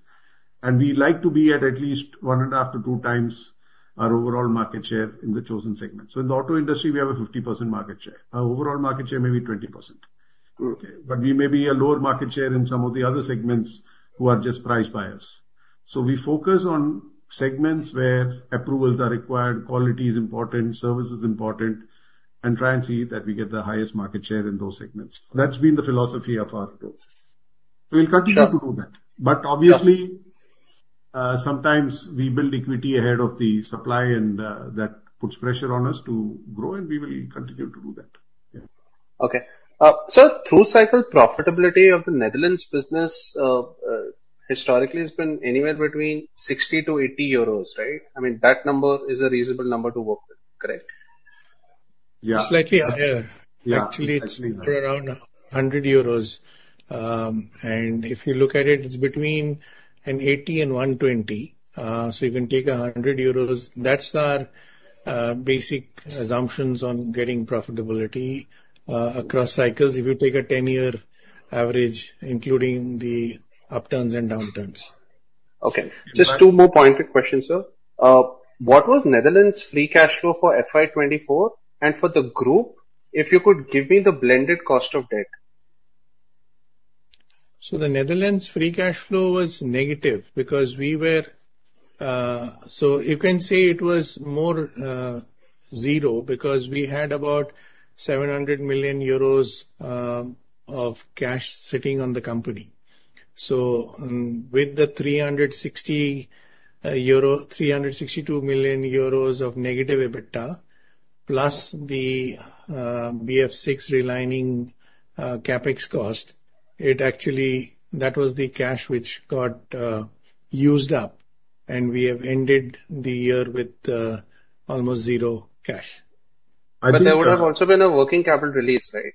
Speaker 4: We like to be at least 1.5-2 times our overall market share in the chosen segments. In the auto industry, we have a 50% market share. Our overall market share may be 20%. We may be a lower market share in some of the other segments who are just price buyers. We focus on segments where approvals are required, quality is important, service is important, and try and see that we get the highest market share in those segments. That's been the philosophy of our growth. We'll continue to do that. But obviously, sometimes we build equity ahead of the supply and that puts pressure on us to grow and we will continue to do that.
Speaker 9: Okay. Sir, through-cycle profitability of the Netherlands business historically has been anywhere between 60-80 euros, right? I mean, that number is a reasonable number to work with, correct?
Speaker 3: Yeah, slightly higher. Actually, it's around 100 euros. And if you look at it, it's between 80 and 120. So you can take 100 euros. That's our basic assumptions on getting profitability across cycles. If you take a 10-year average, including the upturns and downturns.
Speaker 9: Okay. Just two more pointed questions, sir. What was Netherlands' free cash flow for FY24 and for the group, if you could give me the blended cost of debt?
Speaker 3: The Netherlands' free cash flow was negative because we were, so you can say it was more zero because we had about 700 million euros of cash sitting on the company. With the 362 million euros of negative EBITDA plus the BF6 relining CapEx cost, that was the cash which got used up and we have ended the year with almost zero cash.
Speaker 9: But there would have also been a working capital release, right?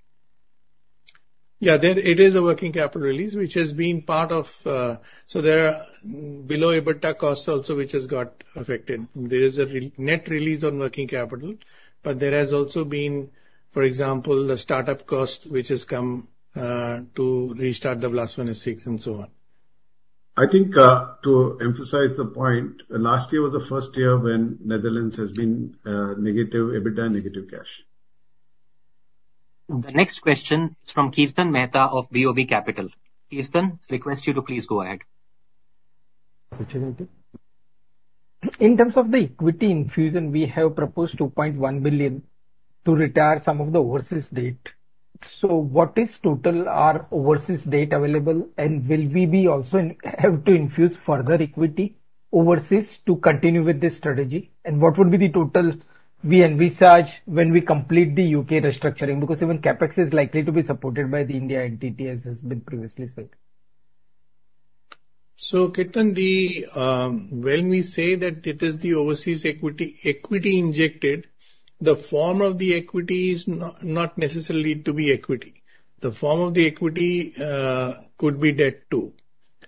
Speaker 3: Yeah, it is a working capital release, which has been part of, so there are below EBITDA costs also, which has got affected. There is a net release on working capital, but there has also been, for example, the startup cost, which has come to restart the blast furnace and so on.
Speaker 4: I think to emphasize the point, last year was the first year when Netherlands has been negative EBITDA, negative cash.
Speaker 1: The next question is from Kirtan Mehta of BOB Capital. Kirtan requests you to please go ahead.
Speaker 10: In terms of the equity infusion, we have proposed $2.1 billion to retire some of the overseas debt. So what is total overseas debt available and will we also have to infuse further equity overseas to continue with this strategy? And what would be the total we end up with when we complete the UK restructuring because even CapEx is likely to be supported by the India entity, as has been previously said.
Speaker 3: So Kirtan, when we say that it is the overseas equity injected, the form of the equity is not necessarily to be equity. The form of the equity could be debt too.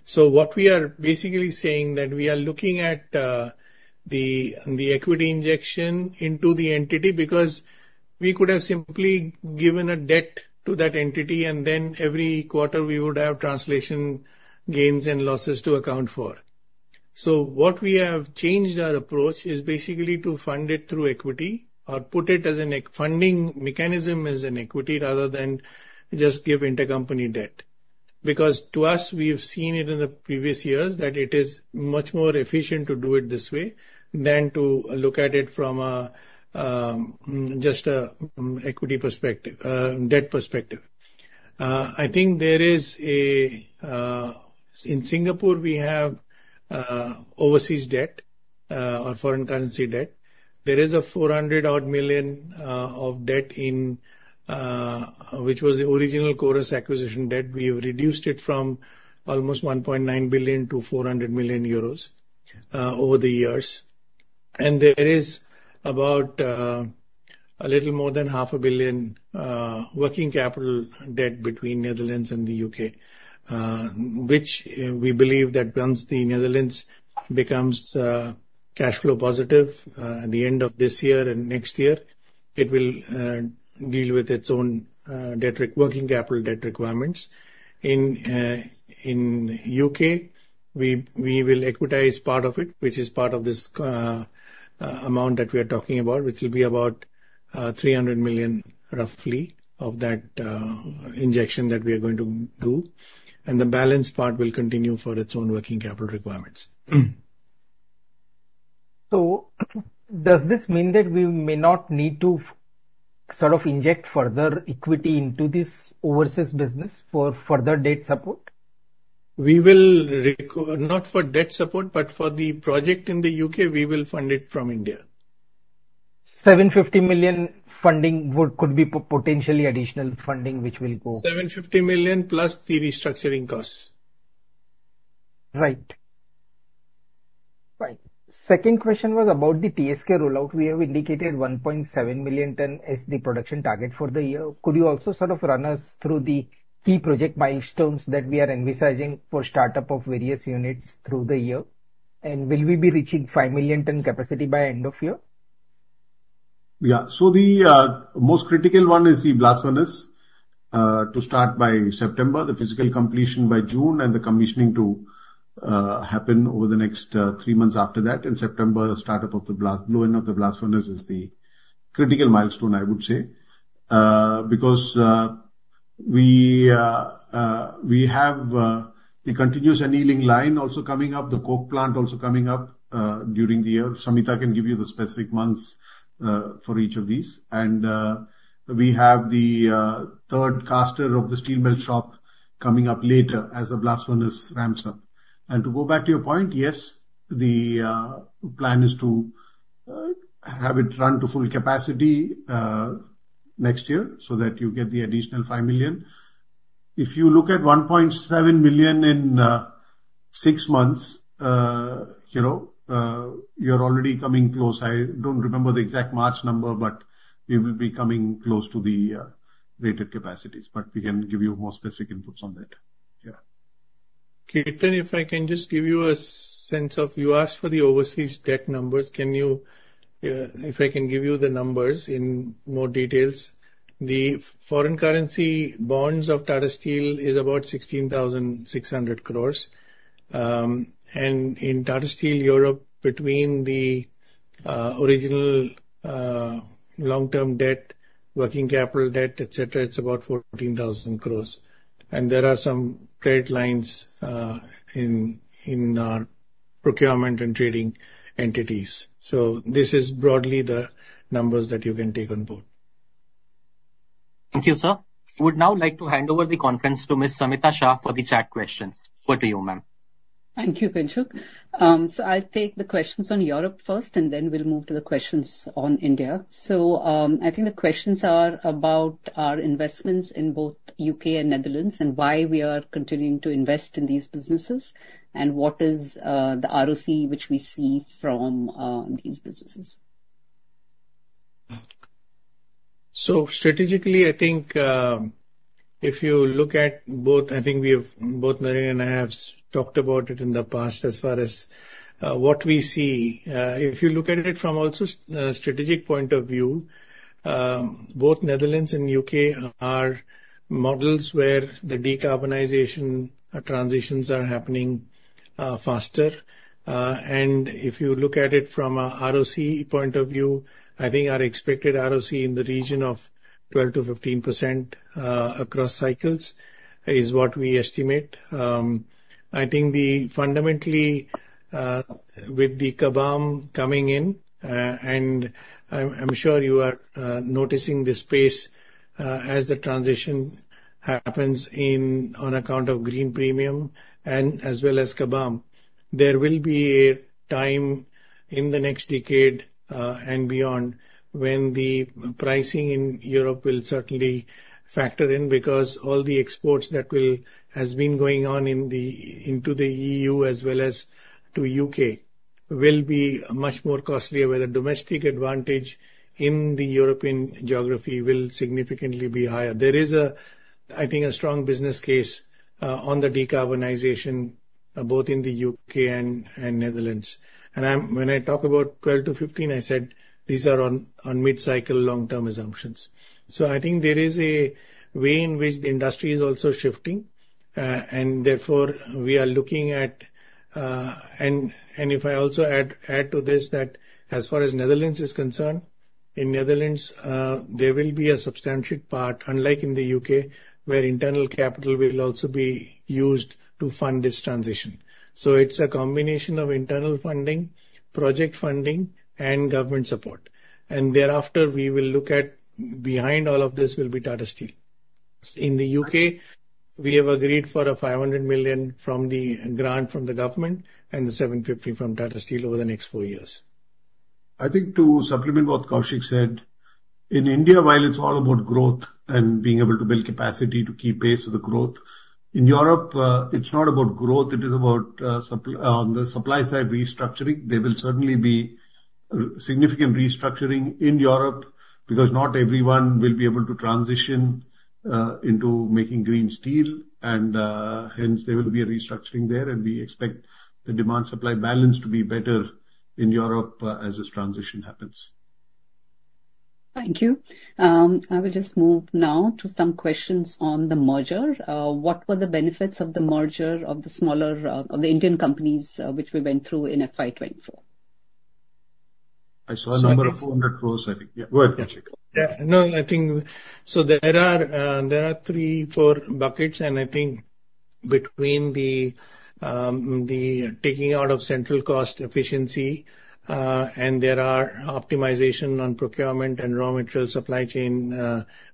Speaker 3: So what we are basically saying is that we are looking at the equity injection into the entity because we could have simply given a debt to that entity and then every quarter we would have translation gains and losses to account for. So what we have changed our approach is basically to fund it through equity or put it as a funding mechanism as an equity rather than just give inter-company debt. Because to us, we have seen it in the previous years that it is much more efficient to do it this way than to look at it from just an equity perspective, debt perspective. I think there is, in Singapore, we have overseas debt or foreign currency debt. There is 400-odd million of debt which was the original Corus acquisition debt. We have reduced it from almost 1.9 billion to 400 million euros over the years. And there is about a little more than 500 million working capital debt between the Netherlands and the UK, which we believe that once the Netherlands becomes cash flow positive at the end of this year and next year, it will deal with its own working capital debt requirements. In the UK, we will equitize part of it, which is part of this amount that we are talking about, which will be about 300 million roughly of that injection that we are going to do. And the balance part will continue for its own working capital requirements.
Speaker 10: Does this mean that we may not need to sort of inject further equity into this overseas business for further debt support?
Speaker 3: We will not opt for debt support, but for the project in the U.K., we will fund it from India.
Speaker 10: 750 million funding could be potentially additional funding which will go?
Speaker 3: 750 million plus the restructuring costs.
Speaker 10: Right. Right. Second question was about the TSK rollout. We have indicated 1.7 million tonne as the production target for the year. Could you also sort of run us through the key project milestones that we are envisaging for startup of various units through the year? And will we be reaching 5 million tonne capacity by end of year?
Speaker 4: Yeah. So the most critical one is the blast furnace to start by September, the physical completion by June, and the commissioning to happen over the next three months after that. In September, the startup of the blast, blow-in of the blast furnace is the critical milestone, I would say, because we have the continuous annealing line also coming up, the coke plant also coming up during the year. Samita can give you the specific months for each of these. And we have the third caster of the steel mill shop coming up later as the blast furnace ramps up. And to go back to your point, yes, the plan is to have it run to full capacity next year so that you get the additional 5 million. If you look at 1.7 million in six months, you're already coming close. I don't remember the exact March number, but we will be coming close to the rated capacities. But we can give you more specific inputs on that. Yeah.
Speaker 3: Kirtan, if I can just give you a sense of, you asked for the overseas debt numbers. Can you, if I can give you the numbers in more details, the foreign currency bonds of Tata Steel are about 16,600 crores. And in Tata Steel Europe, between the original long-term debt, working capital debt, etc., it's about 14,000 crores. And there are some credit lines in our procurement and trading entities. So this is broadly the numbers that you can take on board.
Speaker 1: Thank you, sir. I would now like to hand over the conference to Ms. Samita Shah for the chat question. Over to you, ma'am.
Speaker 2: Thank you, Kinshuk. So I'll take the questions on Europe first and then we'll move to the questions on India. So I think the questions are about our investments in both UK and Netherlands and why we are continuing to invest in these businesses and what is the ROC which we see from these businesses.
Speaker 3: Strategically, I think if you look at both, I think both Narendran and I have talked about it in the past as far as what we see. If you look at it from also a strategic point of view, both Netherlands and UK are models where the decarbonization transitions are happening faster. And if you look at it from an ROC point of view, I think our expected ROC in the region of 12%-15% across cycles is what we estimate. I think fundamentally with the CBAM coming in, and I'm sure you are noticing this pace as the transition happens on account of green premium and as well as CBAM, there will be a time in the next decade and beyond when the pricing in Europe will certainly factor in because all the exports that will have been going on into the EU as well as to the U.K. will be much more costlier where the domestic advantage in the European geography will significantly be higher. There is, I think, a strong business case on the decarbonization both in the U.K. and Netherlands. And when I talk about 12-15, I said these are on mid-cycle long-term assumptions. So I think there is a way in which the industry is also shifting and therefore we are looking at, and if I also add to this that as far as Netherlands is concerned, in Netherlands, there will be a substantial part unlike in the UK where internal capital will also be used to fund this transition. So it's a combination of internal funding, project funding, and government support. And thereafter, we will look at behind all of this will be Tata Steel. In the UK, we have agreed for 500 million from the grant from the government and the 750 million from Tata Steel over the next four years.
Speaker 4: I think to supplement what Koushik said, in India, while it's all about growth and being able to build capacity to keep pace with the growth, in Europe, it's not about growth. It is about on the supply side restructuring. There will certainly be significant restructuring in Europe because not everyone will be able to transition into making green steel. And hence, there will be a restructuring there and we expect the demand-supply balance to be better in Europe as this transition happens.
Speaker 2: Thank you. I will just move now to some questions on the merger. What were the benefits of the merger of the smaller Indian companies which we went through in FY2024?
Speaker 11: I saw a number of 400 crore, I think. Yeah, go ahead, Koushik.
Speaker 3: No, I think so there are three. Four buckets. And I think between the taking out of central cost efficiency and there are optimization on procurement and raw materials supply chain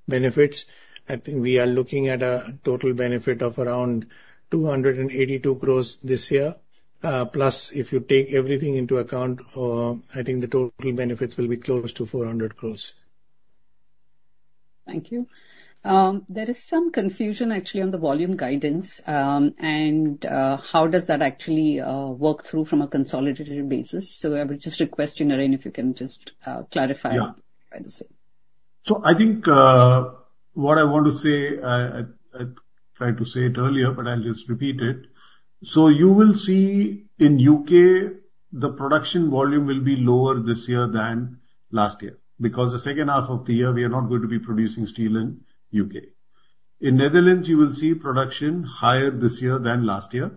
Speaker 3: benefits, I think we are looking at a total benefit of around 282 crore this year. Plus, if you take everything into account, I think the total benefits will be close to 400 crore.
Speaker 2: Thank you. There is some confusion actually on the volume guidance and how does that actually work through from a consolidated basis? I would just request you, Narendran, if you can just clarify that.
Speaker 4: Yeah. So I think what I want to say, I tried to say it earlier, but I'll just repeat it. So you will see in the UK, the production volume will be lower this year than last year because the second half of the year, we are not going to be producing steel in the UK. In the Netherlands, you will see production higher this year than last year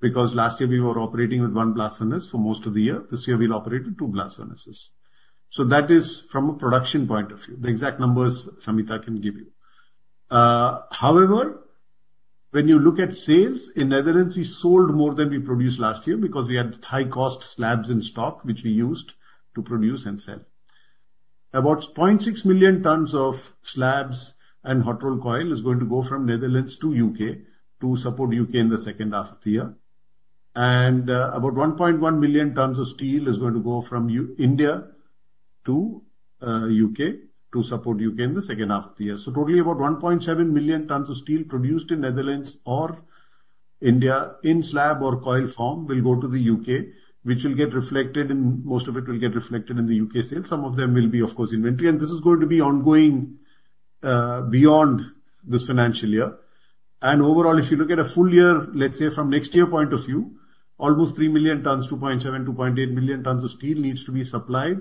Speaker 4: because last year we were operating with one blast furnace for most of the year. This year, we'll operate with two blast furnaces. So that is from a production point of view. The exact numbers Samita can give you. However, when you look at sales, in the Netherlands, we sold more than we produced last year because we had high-cost slabs in stock which we used to produce and sell. About 0.6 million tonnes of slabs and hot-rolled coil is going to go from the Netherlands to the UK to support the UK in the second half of the year. And about 1.1 million tonnes of steel is going to go from India to the UK to support the UK in the second half of the year. So totally about 1.7 million tonnes of steel produced in the Netherlands or India in slab or coil form will go to the UK, which will get reflected in, most of it will get reflected in the UK sales. Some of them will be, of course, inventory. And this is going to be ongoing beyond this financial year. Overall, if you look at a full year, let's say from next year's point of view, almost 3 million tonnes, 2.7, 2.8 million tonnes of steel needs to be supplied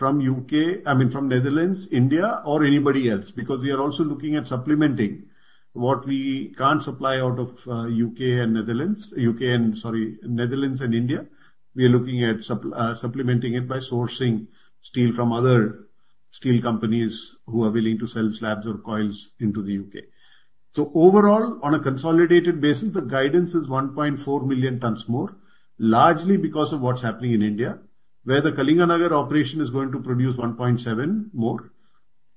Speaker 4: from the UK, I mean from the Netherlands, India, or anybody else because we are also looking at supplementing what we can't supply out of the UK and Netherlands, UK and, sorry, Netherlands and India. We are looking at supplementing it by sourcing steel from other steel companies who are willing to sell slabs or coils into the UK. So overall, on a consolidated basis, the guidance is 1.4 million tonnes more, largely because of what's happening in India where the Kalinganagar operation is going to produce 1.7 more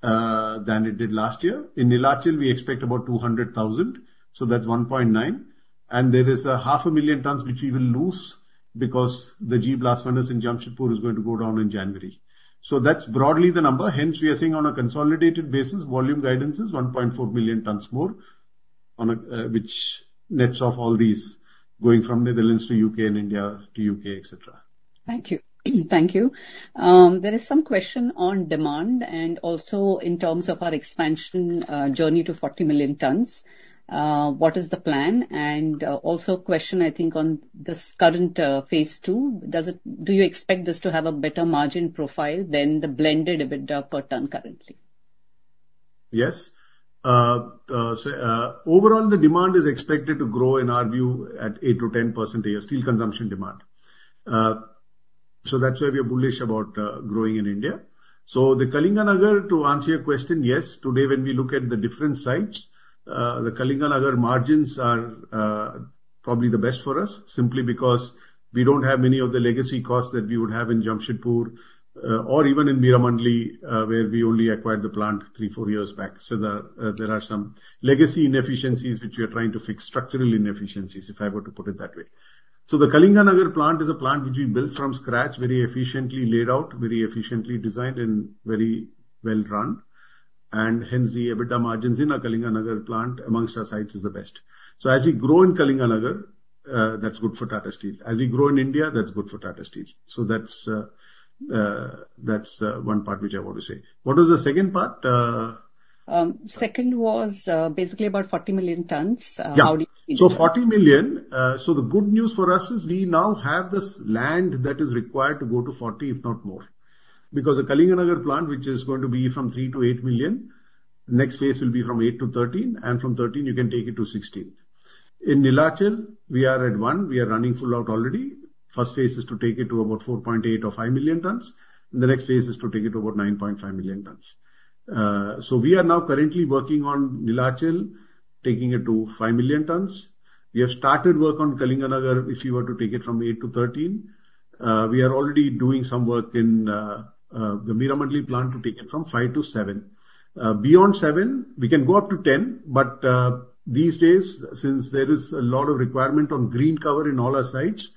Speaker 4: than it did last year. In Neelachal, we expect about 200,000. So that's 1.9. There is 500,000 tons which we will lose because the G Blast Furnace in Jamshedpur is going to go down in January. That's broadly the number. Hence, we are seeing on a consolidated basis, volume guidance is 1.4 million tons more which nets off all these going from the Netherlands to the UK and India to the UK, etc.
Speaker 2: Thank you. Thank you. There is some question on demand and also in terms of our expansion journey to 40 million tonnes. What is the plan? And also a question, I think, on this current phase two, do you expect this to have a better margin profile than the blended EBITDA per tonne currently?
Speaker 4: Yes. Overall, the demand is expected to grow in our view at 8%-10% a year, steel consumption demand. So that's why we are bullish about growing in India. So the Kalinganagar, to answer your question, yes, today when we look at the different sites, the Kalinganagar margins are probably the best for us simply because we don't have many of the legacy costs that we would have in Jamshedpur or even in Meramandali where we only acquired the plant 3-4 years back. So there are some legacy inefficiencies which we are trying to fix, structural inefficiencies if I were to put it that way. So the Kalinganagar plant is a plant which we built from scratch, very efficiently laid out, very efficiently designed, and very well run. And hence, the EBITDA margins in our Kalinganagar plant amongst our sites are the best. As we grow in Kalinganagar, that's good for Tata Steel. As we grow in India, that's good for Tata Steel. That's one part which I want to say. What was the second part?
Speaker 2: Second was basically about 40 million tonnes. How do you see that?
Speaker 4: Yeah. So 40 million, so the good news for us is we now have this land that is required to go to 40, if not more. Because the Kalinganagar plant which is going to be from 3-8 million, next phase will be from 8-13, and from 13, you can take it to 16. In Neelachal, we are at 1. We are running full out already. First phase is to take it to about 4.8 or 5 million tonnes. And the next phase is to take it to about 9.5 million tonnes. So we are now currently working on Neelachal, taking it to 5 million tonnes. We have started work on Kalinganagar if you were to take it from 8-13. We are already doing some work in the Meramandali plant to take it from 5-7. Beyond 7, we can go up to 10. But these days, since there is a lot of requirement on green cover in all our sites,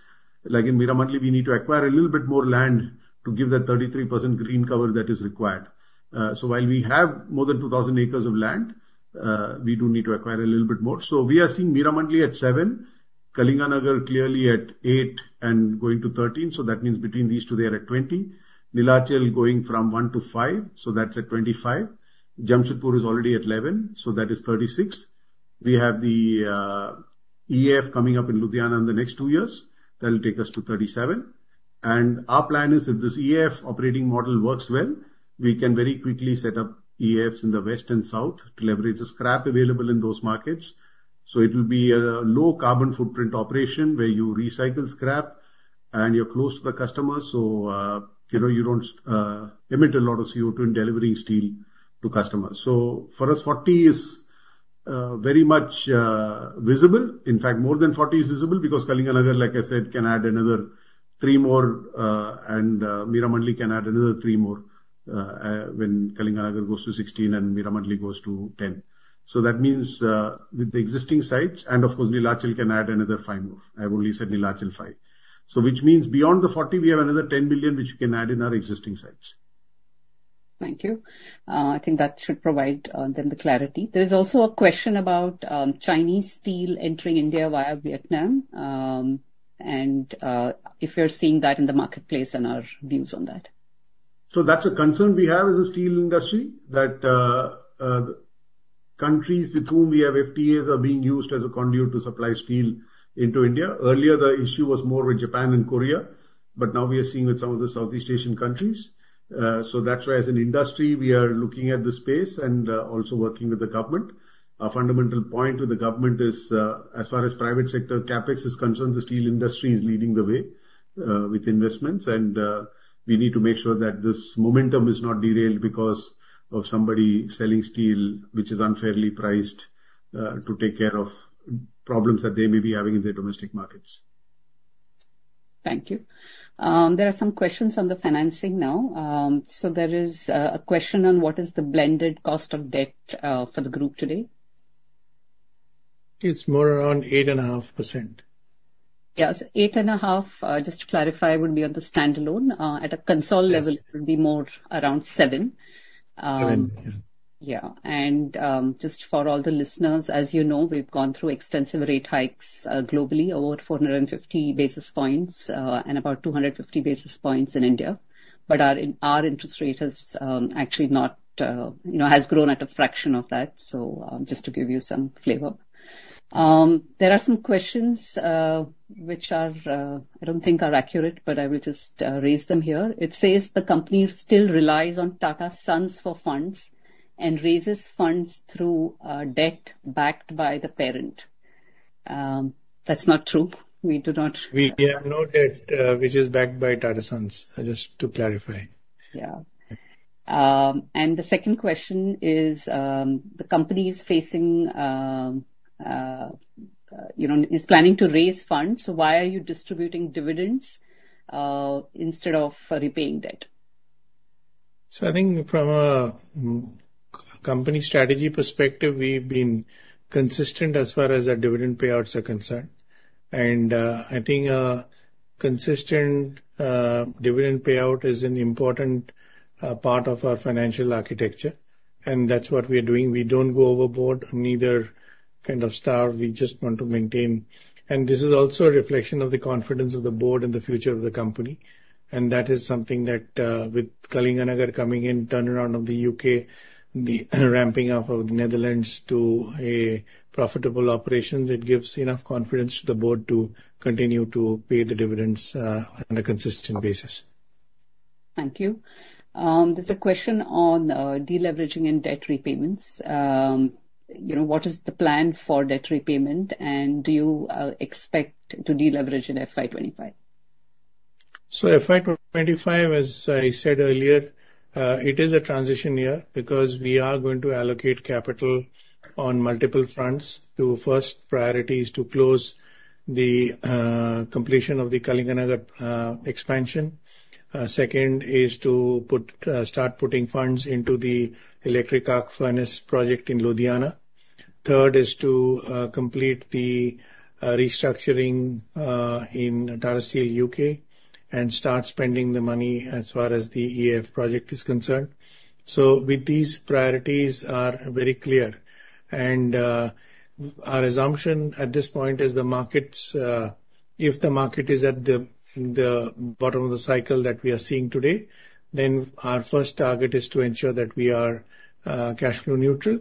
Speaker 4: like in Meramandali, we need to acquire a little bit more land to give that 33% green cover that is required. So while we have more than 2,000 acres of land, we do need to acquire a little bit more. So we are seeing Meramandali at 7, Kalinganagar clearly at 8, and going to 13. So that means between these two, they are at 20. Neelachal going from 1 to 5, so that's at 25. Jamshedpur is already at 11, so that is 36. We have the EAF coming up in Ludhiana in the next two years. That will take us to 37. Our plan is if this EAF operating model works well, we can very quickly set up EAFs in the west and south to leverage the scrap available in those markets. So it will be a low-carbon footprint operation where you recycle scrap and you are close to the customers so you don't emit a lot of CO2 in delivering steel to customers. So for us, 40 is very much visible. In fact, more than 40 is visible because Kalinganagar, like I said, can add another 3 more, and Meramandali can add another 3 more when Kalinganagar goes to 16 and Meramandali goes to 10. So that means with the existing sites, and of course, Neelachal can add another 5 more. I've only said Neelachal 5. So which means beyond the 40, we have another 10 million which we can add in our existing sites.
Speaker 2: Thank you. I think that should provide them the clarity. There is also a question about Chinese steel entering India via Vietnam and if you are seeing that in the marketplace and our views on that.
Speaker 4: So that's a concern we have as a steel industry that countries with whom we have FTAs are being used as a conduit to supply steel into India. Earlier, the issue was more with Japan and Korea, but now we are seeing with some of the Southeast Asian countries. So that's why as an industry, we are looking at this space and also working with the government. Our fundamental point with the government is as far as private sector, CAPEX is concerned, the steel industry is leading the way with investments. And we need to make sure that this momentum is not derailed because of somebody selling steel which is unfairly priced to take care of problems that they may be having in their domestic markets.
Speaker 2: Thank you. There are some questions on the financing now. There is a question on what is the blended cost of debt for the group today?
Speaker 3: It's more around 8.5%.
Speaker 2: Yeah. So 8.5%, just to clarify, would be on the standalone. At a consolidated level, it would be more around 7%.
Speaker 4: 7%, yeah.
Speaker 2: Yeah. And just for all the listeners, as you know, we've gone through extensive rate hikes globally over 450 basis points and about 250 basis points in India. But our interest rate has actually not, you know, has grown at a fraction of that. So just to give you some flavor, there are some questions which I don't think are accurate, but I will just raise them here. It says the company still relies on Tata Sons for funds and raises funds through debt backed by the parent. That's not true. We do not.
Speaker 3: We have no debt which is backed by Tata Sons, just to clarify.
Speaker 2: Yeah. The second question is the company is planning to raise funds. Why are you distributing dividends instead of repaying debt?
Speaker 3: So I think from a company strategy perspective, we've been consistent as far as our dividend payouts are concerned. I think consistent dividend payout is an important part of our financial architecture. That's what we are doing. We don't go overboard, neither kind of star. We just want to maintain. This is also a reflection of the confidence of the board in the future of the company. That is something that with Kalinganagar coming in, turnaround of the UK, the ramping up of the Netherlands to a profitable operation, it gives enough confidence to the board to continue to pay the dividends on a consistent basis.
Speaker 2: Thank you. There's a question on deleveraging and debt repayments. You know, what is the plan for debt repayment? And do you expect to deleverage in FY25?
Speaker 3: So FY25, as I said earlier, it is a transition year because we are going to allocate capital on multiple fronts. First, priority is to close the completion of the Kalinganagar expansion. Second is to start putting funds into the electric arc furnace project in Ludhiana. Third is to complete the restructuring in Tata Steel UK and start spending the money as far as the EAF project is concerned. So with these priorities are very clear. And our assumption at this point is the markets, if the market is at the bottom of the cycle that we are seeing today, then our first target is to ensure that we are cash flow neutral.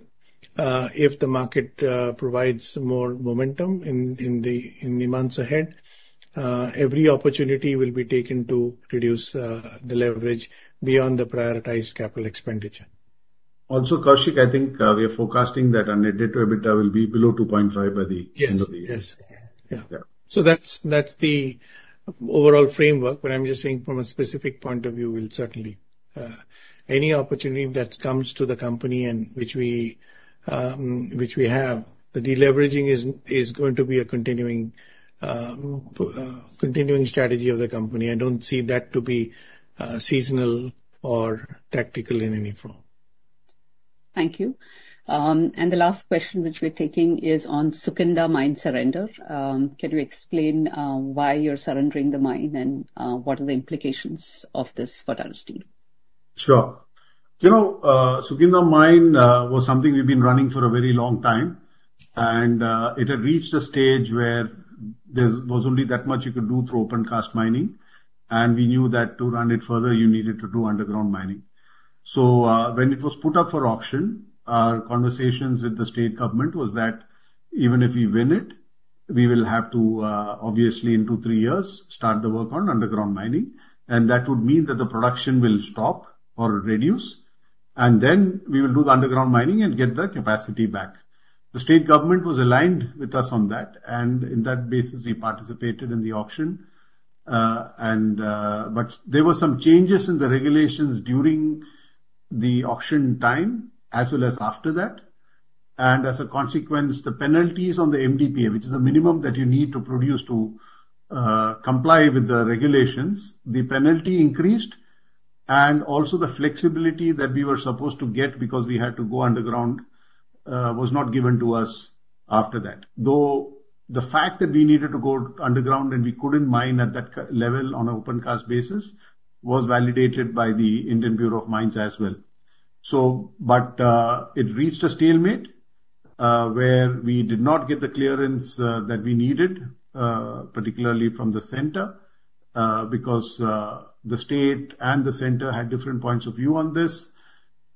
Speaker 3: If the market provides more momentum in the months ahead, every opportunity will be taken to reduce the leverage beyond the prioritized capital expenditure.
Speaker 11: Also, Koushik, I think we are forecasting that our net debt to EBITDA will be below 2.5% by the end of the year.
Speaker 3: Yes. Yes. Yeah.
Speaker 4: So that's the overall framework. But I'm just saying from a specific point of view, we'll certainly, any opportunity that comes to the company and which we have, the deleveraging is going to be a continuing strategy of the company. I don't see that to be seasonal or tactical in any form.
Speaker 2: Thank you. And the last question which we're taking is on Sukinda mine surrender. Can you explain why you're surrendering the mine and what are the implications of this for Tata Steel?
Speaker 4: Sure. You know, Sukinda Mine was something we've been running for a very long time. It had reached a stage where there was only that much you could do through open cast mining. We knew that to run it further, you needed to do underground mining. So when it was put up for auction, our conversations with the state government was that even if we win it, we will have to obviously in 2-3 years start the work on underground mining. And that would mean that the production will stop or reduce. And then we will do the underground mining and get the capacity back. The state government was aligned with us on that. And on that basis, we participated in the auction. But there were some changes in the regulations during the auction time as well as after that. As a consequence, the penalties on the MDPA, which is the minimum that you need to produce to comply with the regulations, the penalty increased. Also the flexibility that we were supposed to get because we had to go underground was not given to us after that. Though the fact that we needed to go underground and we couldn't mine at that level on an open cast basis was validated by the Indian Bureau of Mines as well. But it reached a stalemate where we did not get the clearance that we needed, particularly from the center, because the state and the center had different points of view on this.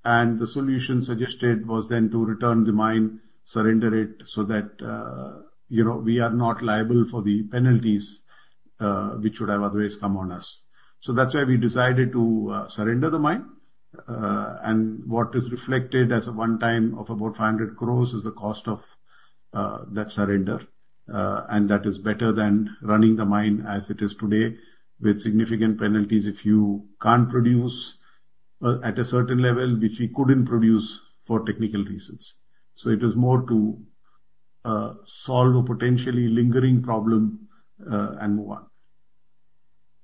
Speaker 4: The solution suggested was then to return the mine, surrender it so that, you know, we are not liable for the penalties which would have otherwise come on us. So that's why we decided to surrender the mine. What is reflected as a one-time of about 500 crore is the cost of that surrender. That is better than running the mine as it is today with significant penalties if you can't produce at a certain level which we couldn't produce for technical reasons. So it is more to solve a potentially lingering problem and move on.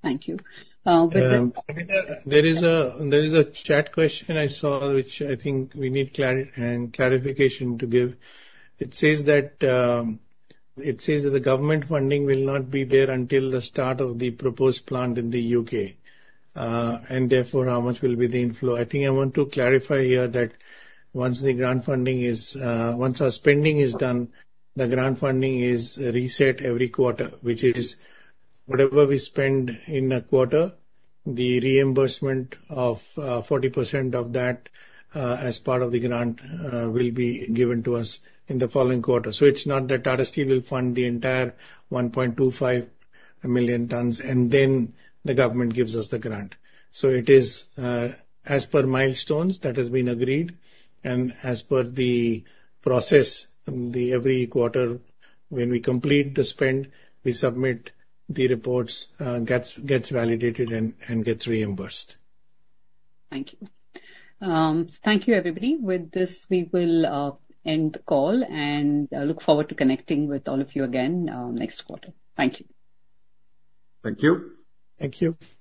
Speaker 2: Thank you.
Speaker 4: There is a chat question I saw which I think we need clarification to give. It says that the government funding will not be there until the start of the proposed plant in the UK. Therefore, how much will be the inflow? I think I want to clarify here that once the grant funding is, once our spending is done, the grant funding is reset every quarter, which is whatever we spend in a quarter, the reimbursement of 40% of that as part of the grant will be given to us in the following quarter. So it's not that Tata Steel will fund the entire 1.25 million tonnes and then the government gives us the grant. So it is as per milestones that has been agreed. As per the process, every quarter when we complete the spend, we submit the reports, gets validated, and gets reimbursed.
Speaker 2: Thank you. Thank you, everybody. With this, we will end the call and look forward to connecting with all of you again next quarter. Thank you.
Speaker 4: Thank you.
Speaker 2: Thank you.